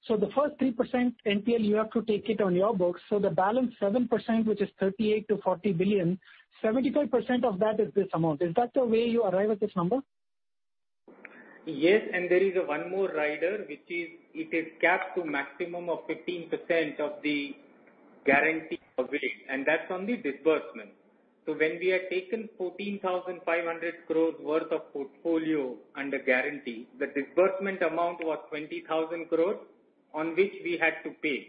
The first 3% NPL, you have to take it on your books. The balance 7%, which is 38 billion-40 billion, 75% of that is this amount. Is that the way you arrive at this number? Yes. There is one more rider, which is it is capped to maximum of 15% of the guarantee available, and that's on the disbursement. When we had taken 14,500 crore worth of portfolio under guarantee, the disbursement amount was 20,000 crore on which we had to pay,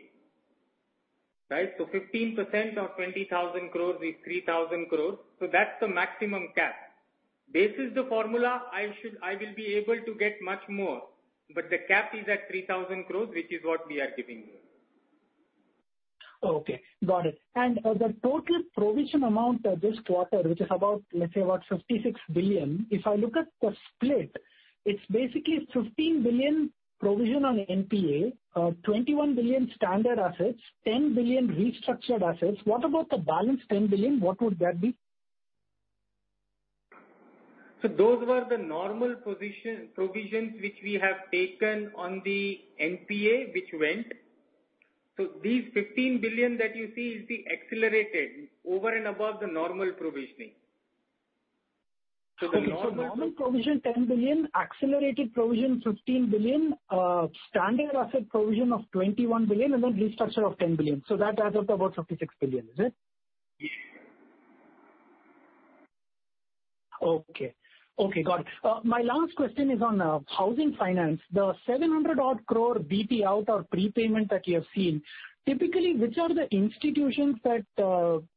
right? 15% of 20,000 crore is 3,000 crore, so that's the maximum cap. This is the formula. I will be able to get much more, but the cap is at 3,000 crore, which is what we are giving you. Okay, got it. The total provision amount this quarter, which is about, let's say about 56 billion, if I look at the split, it's basically 15 billion provision on NPA, 21 billion standard assets, 10 billion restructured assets. What about the balance 10 billion? What would that be? Those were the normal provisions which we have taken on the NPA which went. These 15 billion that you see is the accelerated over and above the normal provisioning. The normal Normal provision 10 billion, accelerated provision 15 billion, standard asset provision of 21 billion, and then restructure of 10 billion. That adds up to about 56 billion, is it? Yes. Okay, got it. My last question is on housing finance. The 700-odd crore payout or prepayment that you have seen, typically, which are the institutions that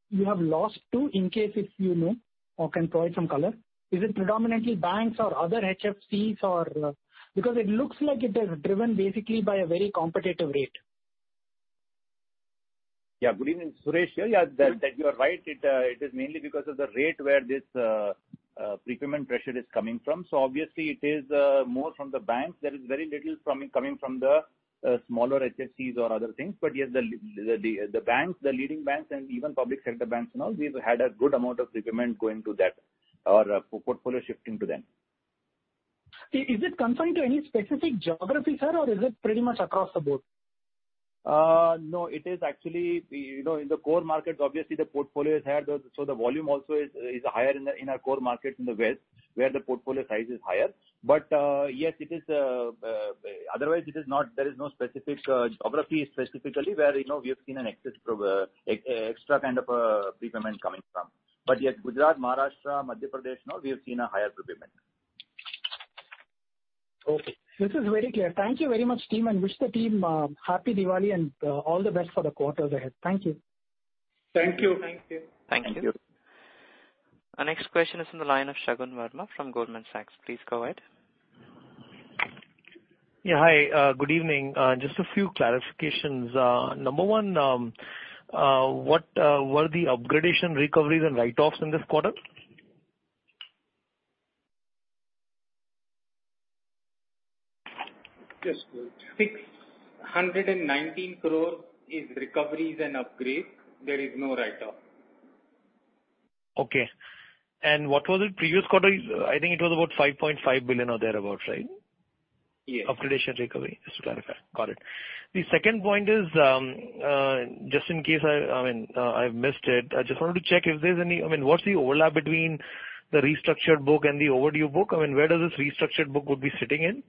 you have lost to, in case if you know or can provide some color? Is it predominantly banks or other HFCs? Because it looks like it is driven basically by a very competitive rate. Yeah. Good evening. Suresh here. Yeah. That you are right. It is mainly because of the rate where this prepayment pressure is coming from. Obviously it is more from the banks. There is very little from it coming from the smaller HFCs or other things. Yes, the banks, the leading banks and even public sector banks now, we've had a good amount of prepayment going to that or portfolio shifting to them. Is it confined to any specific geography, sir, or is it pretty much across the board? No, it is actually, you know, in the core markets, obviously the portfolio is higher. So the volume also is higher in our core markets in the West, where the portfolio size is higher. Yes, it is. Otherwise, it is not. There is no specific geography specifically where, you know, we have seen an excess extra kind of prepayment coming from. Yes, Gujarat, Maharashtra, Madhya Pradesh now we have seen a higher prepayment. Okay. This is very clear. Thank you very much, team, and I wish the team happy Diwali and all the best for the quarters ahead. Thank you. Thank you. Thank you. Thank you. Our next question is on the line of Shagun Varma from Goldman Sachs. Please go ahead. Yeah. Hi, good evening. Just a few clarifications. Number 1, what were the upgradation recoveries and write-offs in this quarter? Yes. 619 crores is recoveries and upgrade. There is no write-off. Okay. What was it previous quarter? I think it was about 5.5 billion or thereabout, right? Yes. Upgradation recovery, just to clarify. Got it. The second point is, just in case I mean I've missed it. I just wanted to check. I mean, what's the overlap between the restructured book and the overdue book? I mean, where does this restructured book would be sitting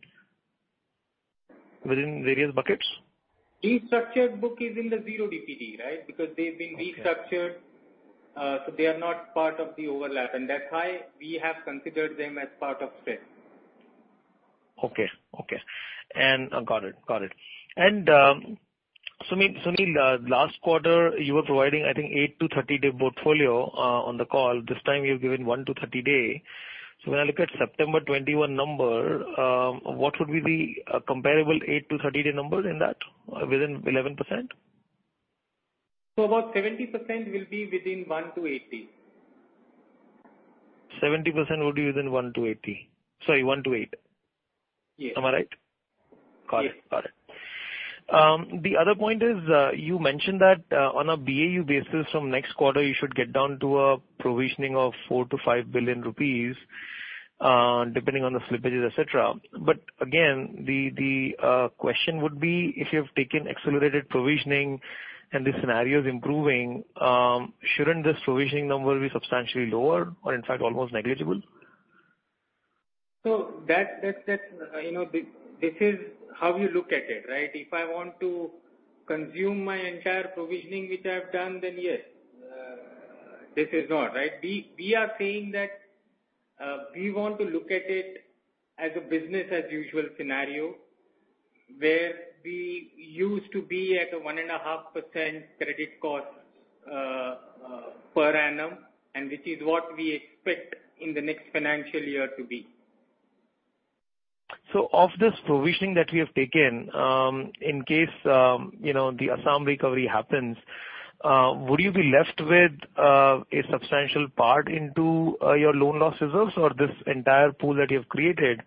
within various buckets? Restructured book is in the zero DPD, right? Because they've been Okay. Restructured, so they are not part of the overlap and that's why we have considered them as part of SIP. Got it. Sunil Samdani, last quarter you were providing, I think, 8-30 day portfolio on the call. This time you've given 1-30 day. When I look at September 2021 number, what would be the comparable 8-30 day number in that within 11%? About 70% will be within 1-8 days. 70% would be within 1-8 days. Sorry, 1-8. Yes. Am I right? Yes. Got it. The other point is, you mentioned that, on a BAU basis from next quarter you should get down to a provisioning of 4 billion-5 billion rupees, depending on the slippages, et cetera. Again, the question would be if you've taken accelerated provisioning and the scenario is improving, shouldn't this provisioning number be substantially lower or in fact almost negligible? That, you know, this is how you look at it, right? If I want to consume my entire provisioning which I have done, then yes. This is not, right? We are saying that we want to look at it as a business as usual scenario where we used to be at a 1.5% credit cost per annum, and which is what we expect in the next financial year to be. Of this provisioning that we have taken, in case you know, the Assam recovery happens, would you be left with a substantial part into your loan loss reserves or this entire pool that you have created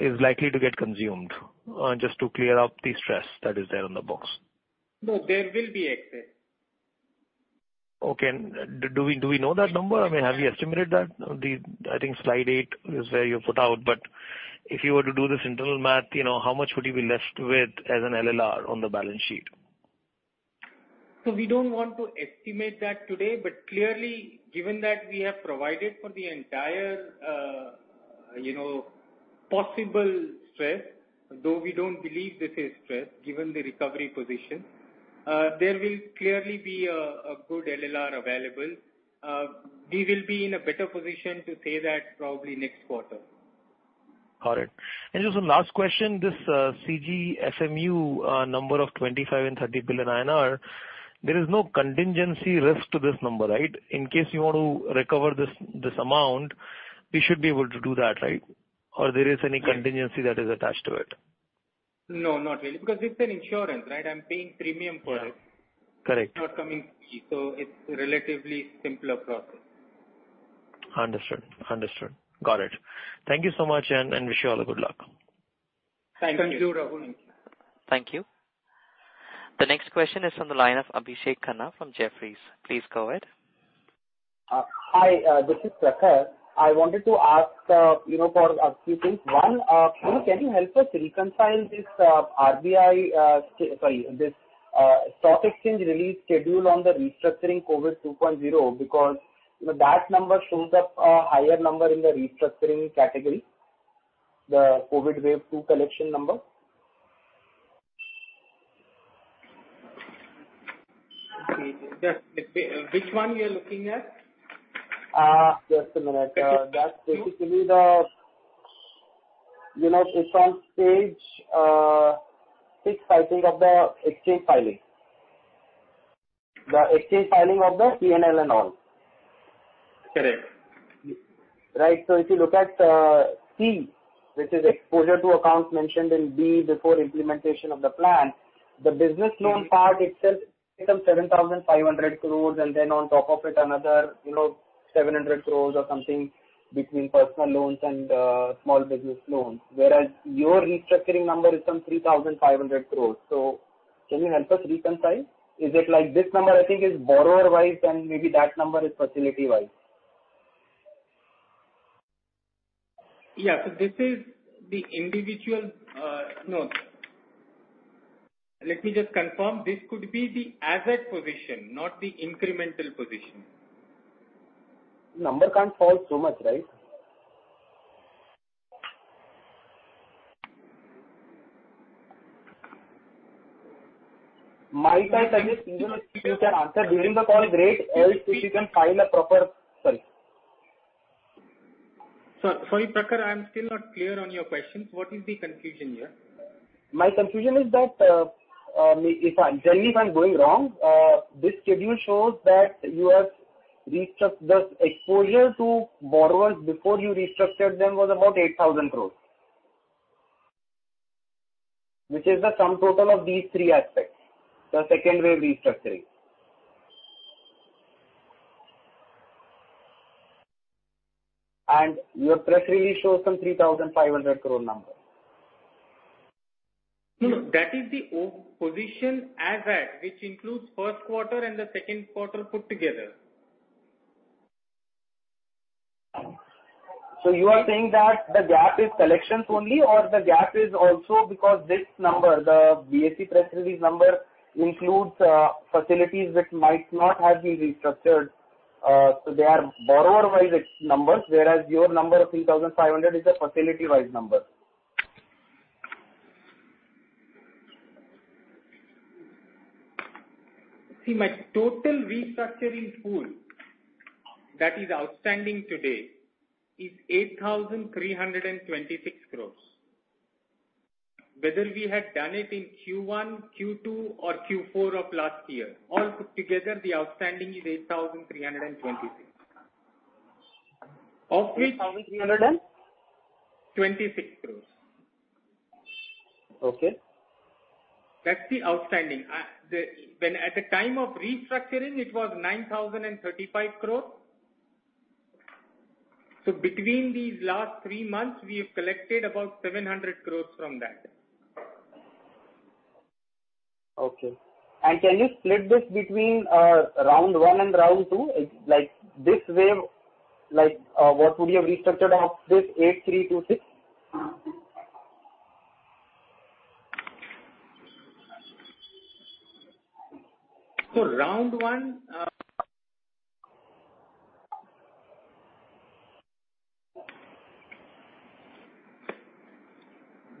is likely to get consumed just to clear up the stress that is there on the books? No, there will be excess. Okay. Do we know that number? I mean, have you estimated that? I think slide eight is where you put out, but if you were to do this internal math, you know, how much would you be left with as an LLR on the balance sheet? We don't want to estimate that today. Clearly, given that we have provided for the entire possible stress, though we don't believe this is stress, given the recovery position, there will clearly be a good LLR available. We will be in a better position to say that probably next quarter. Got it. Just one last question, this, CGFMU, number of 25 billion and 30 billion INR, there is no contingency risk to this number, right? In case you want to recover this amount, we should be able to do that, right? Or there is any Yes. contingency that is attached to it. No, not really. Because it's an insurance, right? I'm paying premium for it. Right. Correct. It's not coming free. It's relatively simpler process. Understood. Got it. Thank you so much and wish you all good luck. Thank you. Thank you, Rahul. Thank you. The next question is from the line of Abhishek Khanna from Jefferies. Please go ahead. Hi, this is Prakhar. I wanted to ask, you know, for a few things. One, can you help us reconcile this stock exchange release schedule on the restructuring COVID 2.0 because, you know, that number shows up a higher number in the restructuring category, the COVID wave two collection number. Which one you're looking at? Just a minute. Yes, sure. That's basically the, you know, it's on page six, I think, of the exchange filing. The exchange filing of the P&L and all. Correct. Right. If you look at C, which is exposure to accounts mentioned in B before implementation of the plan, the business loan part itself is some 7,500 crore and then on top of it another 700 crore or something between personal loans and small business loans. Whereas your restructuring number is some 3,500 crore. Can you help us reconcile? Is it like this number I think is borrower-wise and maybe that number is facility-wise. Yeah. This is the individual, no. Let me just confirm. This could be the asset position, not the incremental position. Number can't fall so much, right? My side suggest if you can answer during the call great. Else if you can file a proper. Sorry. Sorry, Prakhar, I'm still not clear on your question. What is the confusion here? My confusion is that, generally, if I'm going wrong, this schedule shows that the exposure to borrowers before you restructured them was about 8,000 crore. Which is the sum total of these three aspects, the second wave restructuring. Your press release shows some 3,500 crore number. No, that is the overall position as at, which includes first quarter and the second quarter put together. You are saying that the gap is collections only or the gap is also because this number, the BSE press release number, includes facilities which might not have been restructured, so they are borrower-wise numbers, whereas your number of 3,500 is a facility-wise number. See, my total restructuring pool that is outstanding today is 8,326 crore. Whether we had done it in Q1, Q2, or Q4 of last year, all put together the outstanding is 8,326 crore. Of which Eight thousand three hundred and? 26 crore. Okay. That's the outstanding. When at the time of restructuring it was 9,035 crore. Between these last three months we have collected about 700 crores from that. Okay. Can you split this between round one and round two? Like this wave, like what would you have restructured of this 8,326? Round one,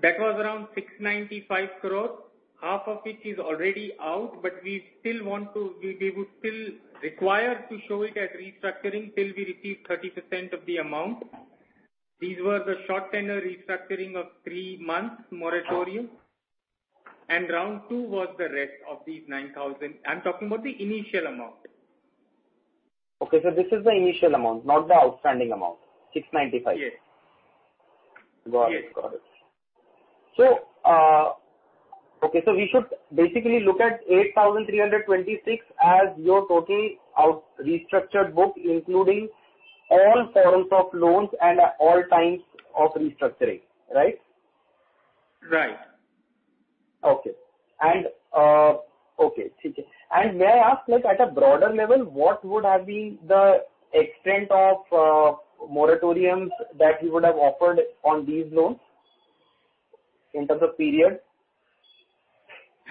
that was around 695 crores. Half of it is already out, but we would still require to show it as restructuring till we receive 30% of the amount. These were the short tenor restructuring of three months moratorium, and round two was the rest of these 9,000. I'm talking about the initial amount. This is the initial amount, not the outstanding amount, 695. Yes. Got it. Okay, we should basically look at 8,326 as your total outstanding restructured book, including all forms of loans and all types of restructuring, right? Right. May I ask, like, at a broader level, what would have been the extent of moratoriums that you would have offered on these loans in terms of period?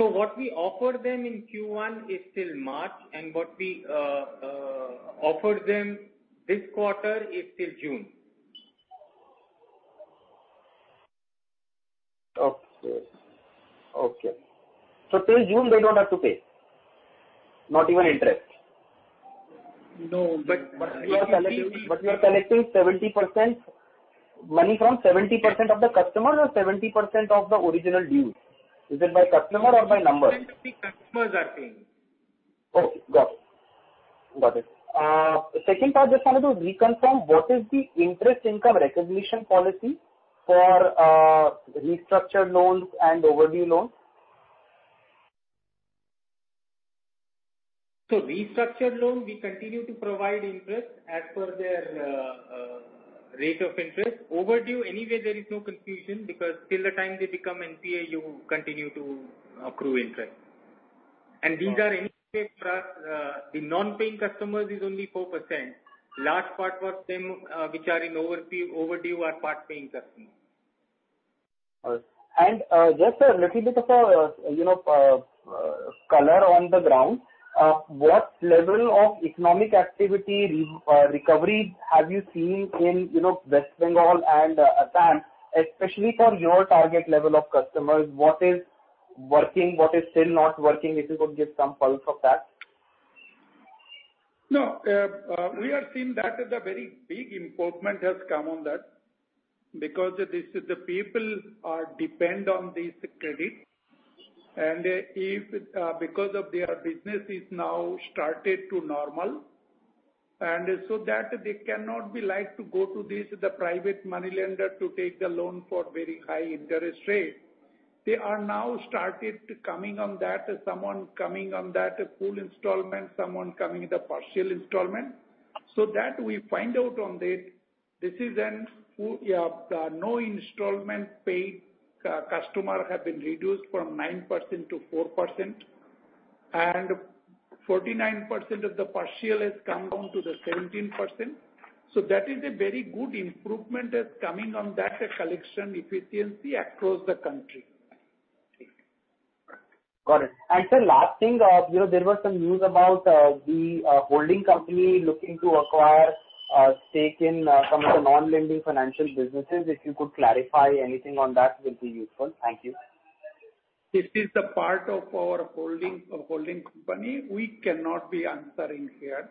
What we offer them in Q1 is till March, and what we offered them this quarter is till June. Okay. Till June they don't have to pay? Not even interest. No. You are collecting 70% money from 70% of the customers or 70% of the original dues? Is it by customer or by numbers? 70 customers are paying. Okay, got it. Second part, just wanted to reconfirm what is the interest income recognition policy for restructured loans and overdue loans? Restructured loans, we continue to provide interest as per their rate of interest. Overdue, anyway, there is no confusion because till the time they become NPA, you continue to accrue interest. These are indicated for us, the non-paying customers is only 4%. Large part was them, which are in overdue or part-paying customers. Just a little bit of a, you know, color on the ground, what level of economic activity recovery have you seen in, you know, West Bengal and Assam, especially for your target level of customers? What is working? What is still not working? If you could give some pulse of that. No, we are seeing that the very big improvement has come on that because this is the people are depend on this credit, and if, because of their business is now started to normal, and so that they cannot be like to go to this, the private money lender to take the loan for very high interest rate. They are now started coming on that, someone coming on that full installment, someone coming the partial installment. We find out on this. This is a full no installment paid customer have been reduced from 9%-4%, and 49% of the partial has come down to the 17%. That is a very good improvement is coming on that collection efficiency across the country. Got it. Sir, last thing, you know, there was some news about the holding company looking to acquire a stake in some of the non-lending financial businesses. If you could clarify anything on that will be useful. Thank you. This is the part of our holding company we cannot be answering here.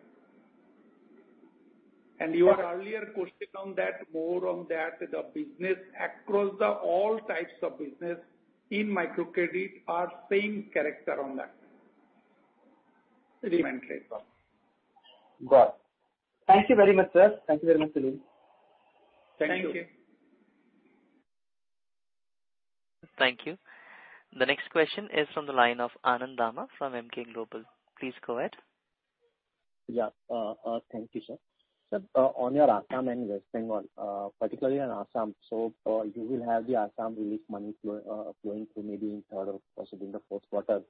Your earlier question on that, more on that, the business across all types of business in microcredit are same character on that. Got it. Thank you very much, sir. Thank you very much, Sunil. Thank you. Thank you. Thank you. The next question is from the line of Anand Dama from Emkay Global. Please go ahead. Yeah. Thank you, sir. Sir, on your Assam and West Bengal, particularly on Assam. You will have the Assam relief money flow, flowing through maybe in third or possibly in the fourth quarter.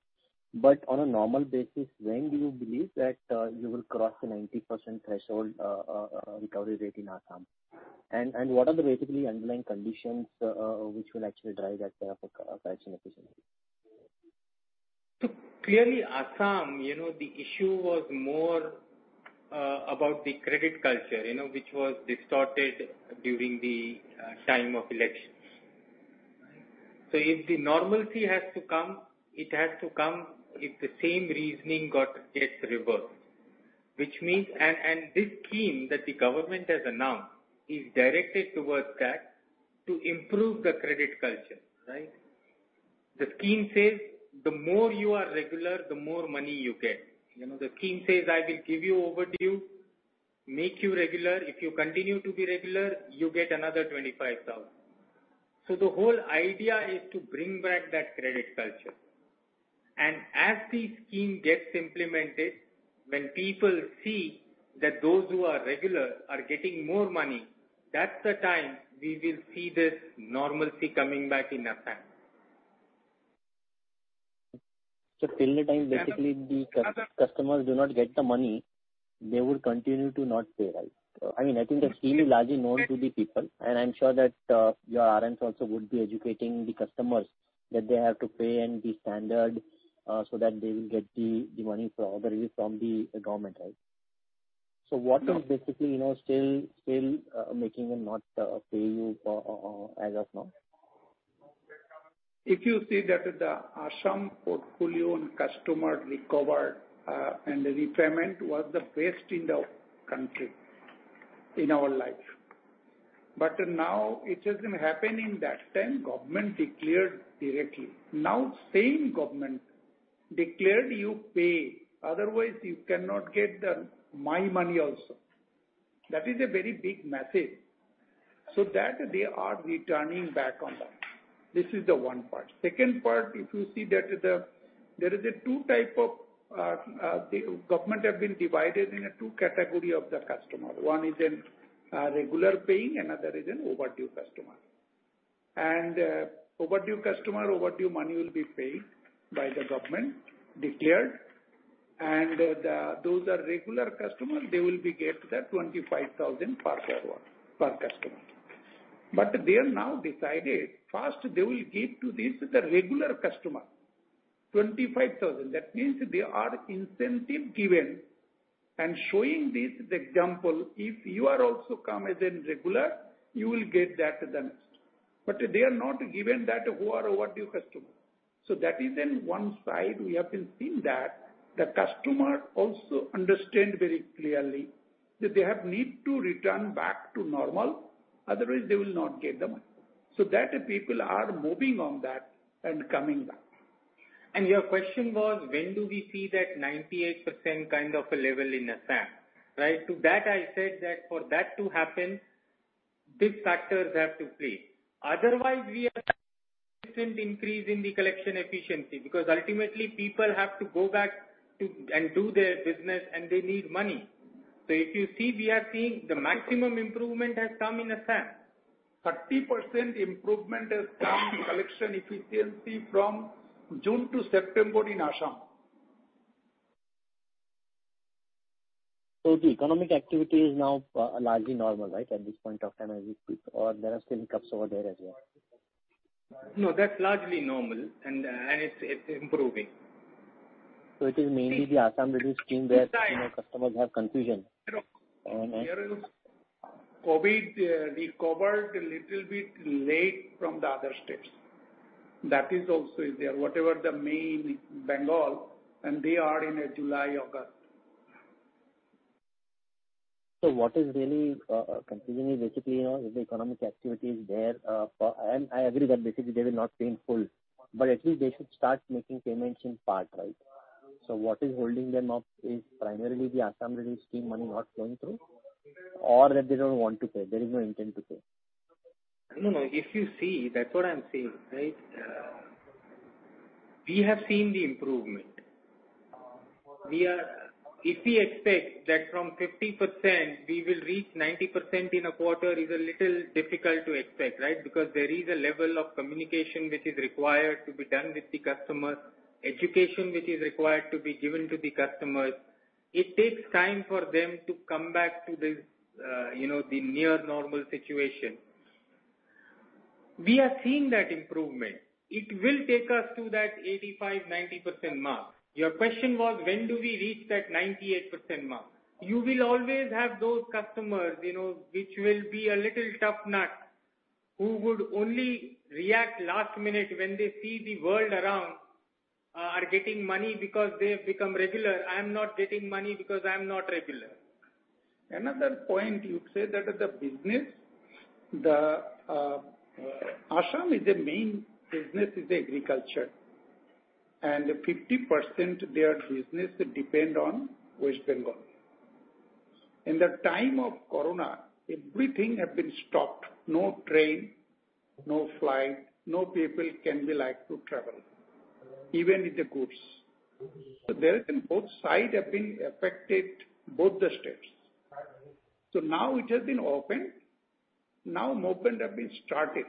On a normal basis, when do you believe that you will cross the 90% threshold, recovery rate in Assam? And what are the basically underlying conditions, which will actually drive that, collection efficiency? Clearly Assam you know the issue was more about the credit culture, you know, which was distorted during the time of elections. If the normalcy has to come, it has to come if the same reasoning gets reversed. Which means this scheme that the government has announced is directed towards that to improve the credit culture, right? The scheme says the more you are regular the more money you get. You know, the scheme says, "I will give you overdue, make you regular. If you continue to be regular you get another 25,000." The whole idea is to bring back that credit culture. As the scheme gets implemented when people see that those who are regular are getting more money, that's the time we will see this normalcy coming back in Assam. Till the time basically the customers do not get the money, they would continue to not pay, right? I mean, I think the scheme is largely known to the people, and I'm sure that your RNs also would be educating the customers that they have to pay and the standard so that they will get the money for overdue from the government, right? What are basically you know still making them not pay you as of now? If you see that the Assam portfolio and customer recovered, and the repayment was the best in the country in our life. Now it has been happening that time government declared directly. Now same government declared you pay, otherwise you cannot get the my money also. That is a very big message. That they are returning back on that. This is the one part. Second part, if you see that the there is a two type of, the government have been divided in a two category of the customer. One is an regular paying, another is an overdue customer. Overdue customer, overdue money will be paid by the government declared. The, those are regular customers, they will be get the 25,000 per customer. They have now decided first they will give to this the regular customer 25,000. That means there are incentives given and showing this as the example, if you also come in regularly, you will get the next. They are not given to who are overdue customers. That is on one side, we have been seeing that. The customers also understand very clearly that they need to return back to normal, otherwise they will not get the money. People are moving on that and coming back. Your question was when do we see that 98% kind of a level in Assam, right? To that I said that for that to happen, these factors have to play. Otherwise, we are increase in the collection efficiency, because ultimately people have to go back to, and do their business and they need money. If you see, we are seeing the maximum improvement has come in Assam. 30% improvement has come in collection efficiency from June to September in Assam. The economic activity is now largely normal, right? At this point of time as we speak or there are still hiccups over there as well? No, that's largely normal and it's improving. It is mainly the Assam relief scheme where, you know, customers have confusion. Here is COVID-19, recovered a little bit late from the other states. That is also there. Whatever the main Bengal and they are in July, August. What is really confusing is basically, you know, if the economic activity is there, and I agree that basically they will not pay in full, but at least they should start making payments in part, right? What is holding them up is primarily the Assam relief scheme money not flowing through or that they don't want to pay, there is no intent to pay? No, no. If you see, that's what I'm saying, right? We have seen the improvement. If we expect that from 50% we will reach 90% in a quarter is a little difficult to expect, right? Because there is a level of communication which is required to be done with the customers, education which is required to be given to the customers. It takes time for them to come back to this, you know, the near normal situation. We are seeing that improvement. It will take us to that 85%-90% mark. Your question was when do we reach that 98% mark. You will always have those customers, you know, which will be a little tough nut, who would only react last minute when they see the world around are getting money because they have become regular. I am not getting money because I am not regular. Another point you said that the business, Assam is the main business is agriculture, and 50% their business depend on West Bengal. In the time of COVID-19, everything have been stopped. No train, no flight, no people can be like to travel, even with the goods. There have been both side have been affected, both the states. Now it has been opened. Now opened have been started.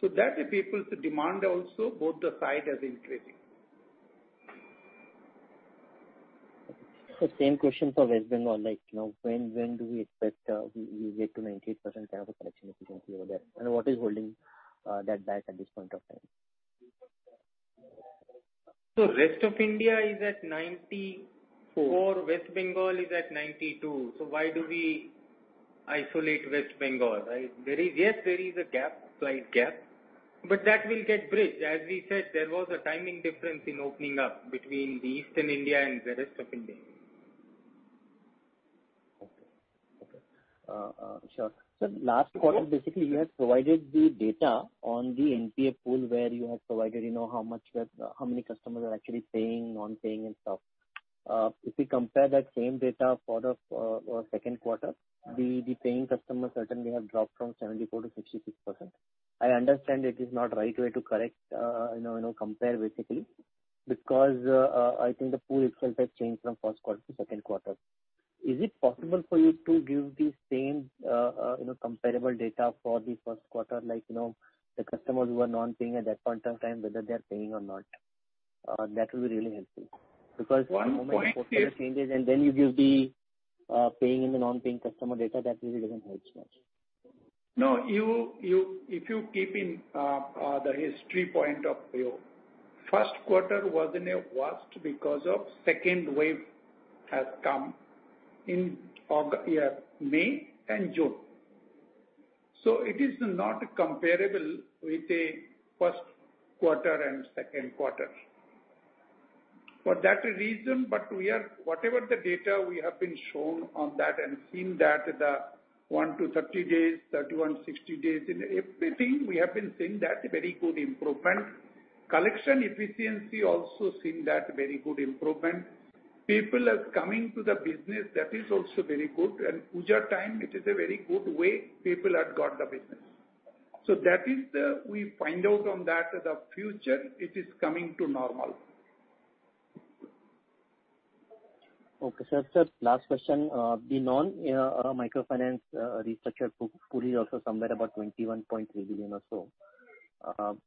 That the people's demand also both the side has increased. same question for West Bengal, like, you know, when do we expect we get to 98% kind of a collection efficiency over there? What is holding that back at this point of time? Rest of India is at 94%. West Bengal is at 92. Why do we isolate West Bengal, right? There is a slight gap, but that will get bridged. As we said, there was a timing difference in opening up between eastern India and the rest of India. Okay. Sure. Last quarter basically you had provided the data on the NPA pool where you had provided, you know, how much the, how many customers are actually paying, non-paying and stuff. If we compare that same data for the second quarter, the paying customers certainly have dropped from 74%-66%. I understand it is not right way to correct, you know, compare basically because I think the pool itself has changed from first quarter to second quarter. Is it possible for you to give the same comparable data for the first quarter, like, you know, the customers who are non-paying at that point of time, whether they are paying or not? That will be really helpful. Because One point here. The moment portfolio changes and then you give the, paying and the non-paying customer data, that really doesn't help much. No. You, if you keep in the historical point of view, the first quarter was the worst because the second wave has come in May and June. It is not comparable with the first quarter and second quarter. For that reason, but we are, whatever the data we have been shown on that and seen that the 1-30 days, 31-60 days in everything we have been seeing that very good improvement. Collection efficiency also seen that very good improvement. People are coming to the business that is also very good and Puja time it is a very good way people have got the business. That is what we find out on that the future it is coming to normal. Okay, sir. Sir, last question. The non microfinance restructured pool is also somewhere about 21.3 billion or so.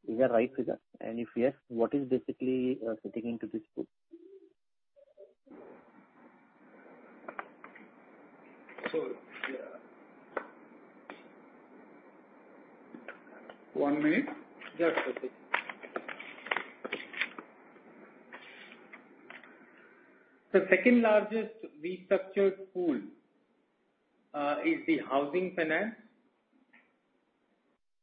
Is that right figure? If yes, what is basically sitting into this pool? Yeah. One minute. That's okay. The second largest restructured pool is the Housing Finance,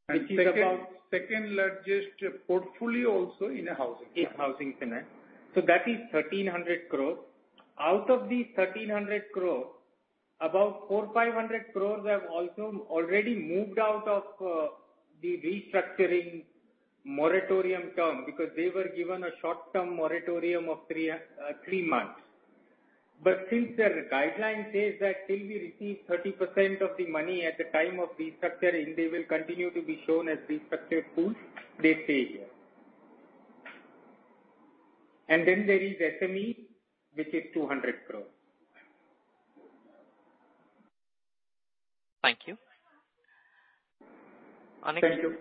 which is about Second largest portfolio also in a housing finance. In housing finance that is 1,300 crore. Out of these 1,300 crore, about 450 crore have also already moved out of the restructuring moratorium term because they were given a short-term moratorium of three months. Since their guideline says that till we receive 30% of the money at the time of restructuring, they will continue to be shown as restructured pools, they stay here. Then there is SME, which is 200 crore. Thank you. Thank you.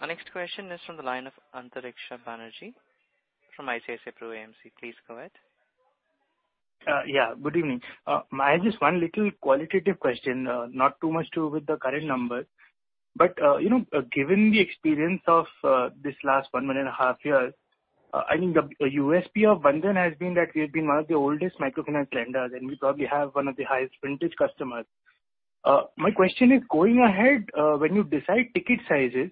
Our next question is from the line of Antariksha Banerjee from ICICI Pru AMC. Please go ahead. Yeah, good evening. I have just one little qualitative question. Not too much to do with the current numbers. You know, given the experience of this last one and a half years, I think the USP of Bandhan has been that we have been one of the oldest microfinance lenders, and we probably have one of the highest vintage customers. My question is going ahead, when you decide ticket sizes,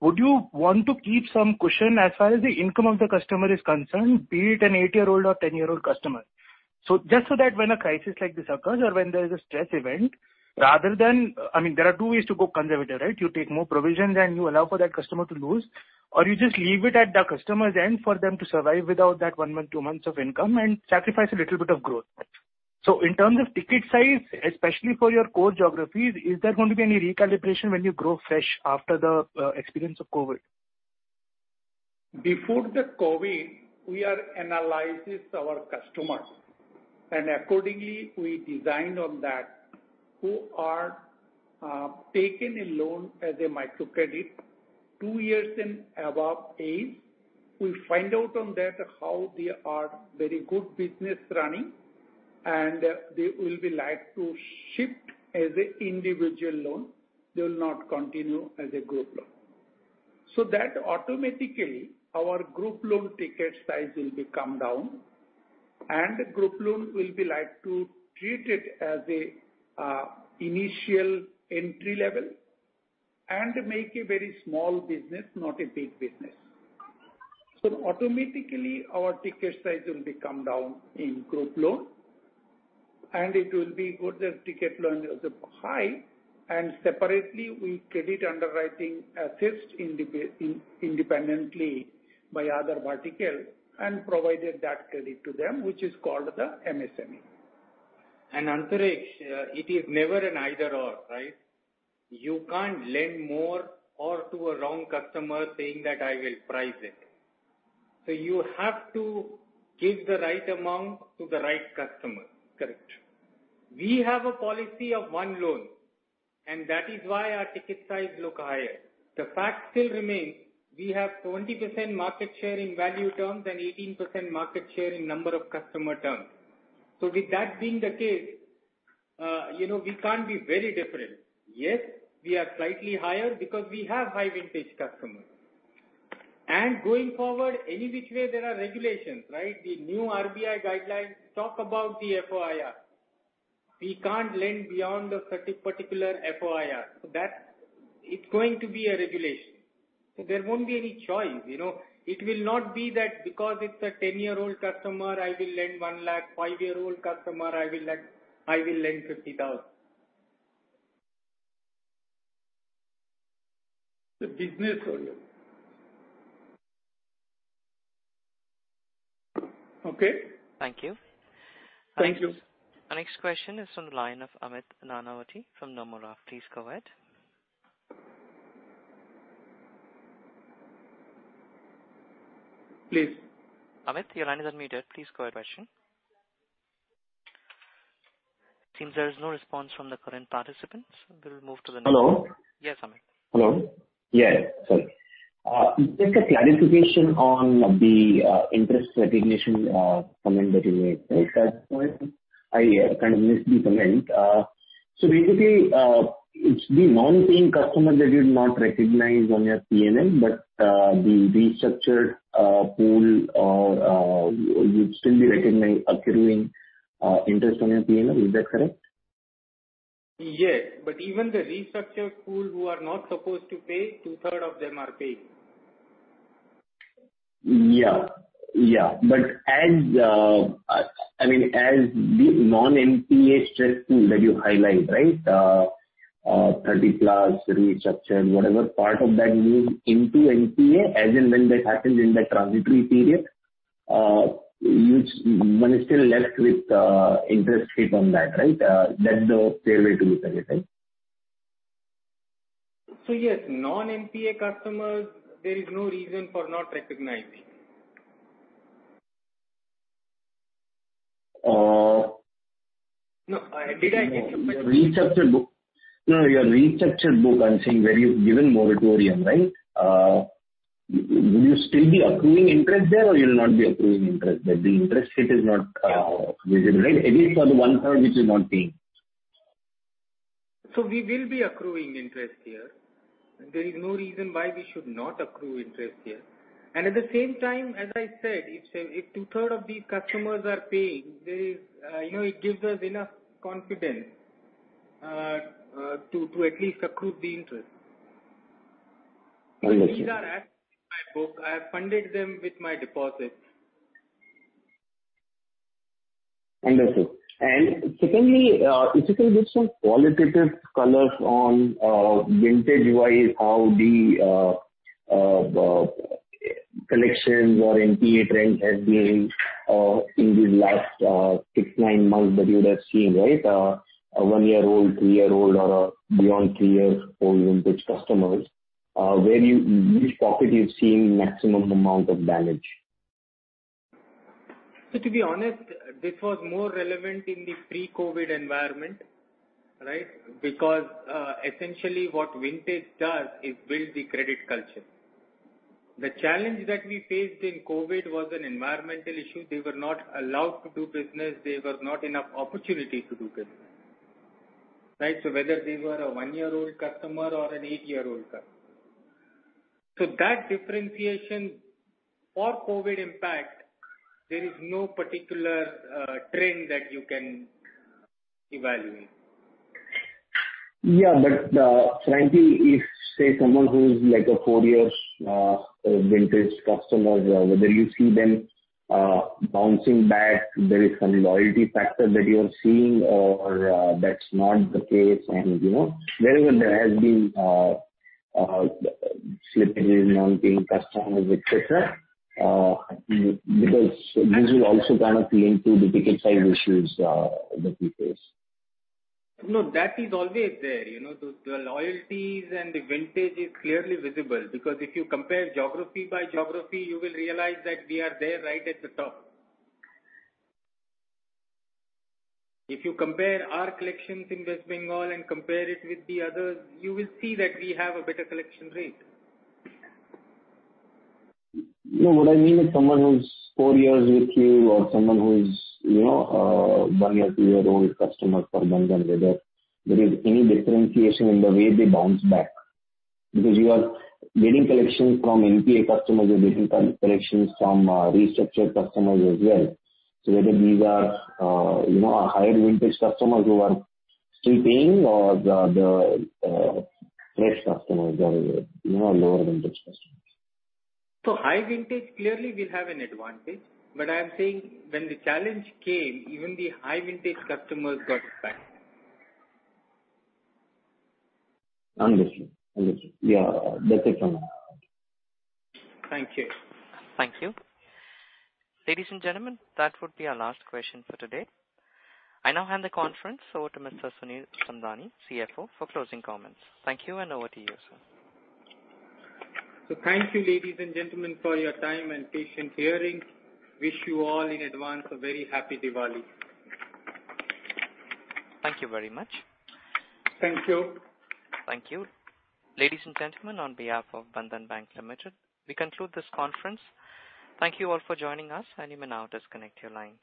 would you want to keep some cushion as far as the income of the customer is concerned, be it an eight-year-old or ten-year-old customer? Just so that when a crisis like this occurs or when there is a stress event, rather than, I mean, there are two ways to go conservative, right? You take more provisions and you allow for that customer to lose, or you just leave it at the customer's end for them to survive without that one month, two months of income and sacrifice a little bit of growth. In terms of ticket size, especially for your core geographies, is there going to be any recalibration when you grow fresh after the experience of COVID? Before the COVID-19, we analyzed our customers, and accordingly, we designed for those who are taking a loan as a microcredit two years and above age. We found out that how they are running very good business, and they would like to shift to an individual loan. They will not continue as a group loan. That automatically our group loan ticket size will come down, and group loan will be treated as an initial entry level and make a very small business, not a big business. That automatically, our ticket size will come down in group loan, and individual ticket size is high. Separately, credit underwriting is done independently by other verticals and provided that credit to them, which is called the MSME. Antariksha, it is never an either/or, right? You can't lend more or to a wrong customer saying that I will price it. You have to give the right amount to the right customer. Correct. We have a policy of one loan, and that is why our ticket size look higher. The fact still remains we have 20% market share in value terms and 18% market share in number of customer terms. With that being the case, you know, we can't be very different. Yes, we are slightly higher because we have high vintage customers. Going forward, any which way there are regulations, right? The new RBI guidelines talk about the FOIR. We can't lend beyond a particular FOIR. That it's going to be a regulation. There won't be any choice, you know. It will not be that because it's a 10-year-old customer, I will lend 1 lakh, five-year-old customer, I will lend 50,000. The business owner. Okay. Thank you. Thank you. Our next question is from the line of Amit Nanavati from Nomura. Please go ahead. Please. Amit, your line is unmuted. Please go ahead with your question. Seems there is no response from the current participants. We will move to the next- Hello. Yes, Amit. Hello. Yes, sorry. Just a clarification on the interest recognition comment that you made, sir. I kind of missed the comment. Basically, it's the non-paying customers that you've not recognized on your PNL, but the restructured pool will still be recognized accruing interest on your PNL. Is that correct? Yes, even the restructured pool who are not supposed to pay, two-thirds of them are paying. Yeah, yeah. As I mean, as the non-NPA stress pool that you highlight, right? 30 plus restructured, whatever part of that moves into NPA, as in when that happens in that transitory period, one is still left with interest hit on that, right? That's the fair way to look at it, right? Yes, non-NPA customers, there is no reason for not recognizing. Uh- No, did I get your question? Your restructured book. No, your restructured book, I'm saying where you've given moratorium, right? Will you still be accruing interest there or you'll not be accruing interest there? The interest hit is not visible, right? At least for the one-third which is not paying. We will be accruing interest here. There is no reason why we should not accrue interest here. At the same time, as I said, if two-thirds of these customers are paying, there is, you know, it gives us enough confidence to at least accrue the interest. Understood. These are actually my book. I have funded them with my deposits. Understood. Secondly, if you can give some qualitative colors on, vintage-wise, how the collections or NPA trend has been in the last six-nine months that you would have seen, right? A one year-old, three year-old or beyond three years old vintage customers, which pocket you're seeing maximum amount of damage? To be honest, this was more relevant in the pre-COVID environment, right? Because essentially what vintage does is build the credit culture. The challenge that we faced in COVID was an environmental issue. They were not allowed to do business. There was not enough opportunity to do business, right? Whether they were a one-year-old customer or an eight-year-old customer, that differentiation for COVID impact, there is no particular trend that you can evaluate. Frankly, if, say, someone who is like a four year vintage customer, whether you see them bouncing back, there is some loyalty factor that you are seeing or that's not the case, you know. Wherever there has been slippage in non-paying customers, et cetera, because this will also kind of link to the ticket size issues that we face. No, that is always there. You know, the loyalties and the vintage is clearly visible because if you compare geography by geography, you will realize that we are there right at the top. If you compare our collections in West Bengal and compare it with the others, you will see that we have a better collection rate. No, what I mean is someone who's four years with you or someone who is, you know, one year, two year-old customer for Bandhan, whether there is any differentiation in the way they bounce back. Because you are getting collections from NPA customers, you're getting collections from restructured customers as well. Whether these are, you know, higher vintage customers who are still paying or the fresh customers or, you know, lower vintage customers. High vintage clearly will have an advantage. I am saying when the challenge came, even the high vintage customers got impacted. Understood. Yeah. That's it from me. Thank you. Thank you. Ladies and gentlemen, that would be our last question for today. I now hand the conference over to Mr. Sunil Samdani, CFO, for closing comments. Thank you and over to you, sir. Thank you, ladies and gentlemen, for your time and patient hearing. I wish you all in advance a very happy Diwali. Thank you very much. Thank you. Thank you. Ladies and gentlemen, on behalf of Bandhan Bank Limited, we conclude this conference. Thank you all for joining us, and you may now disconnect your lines.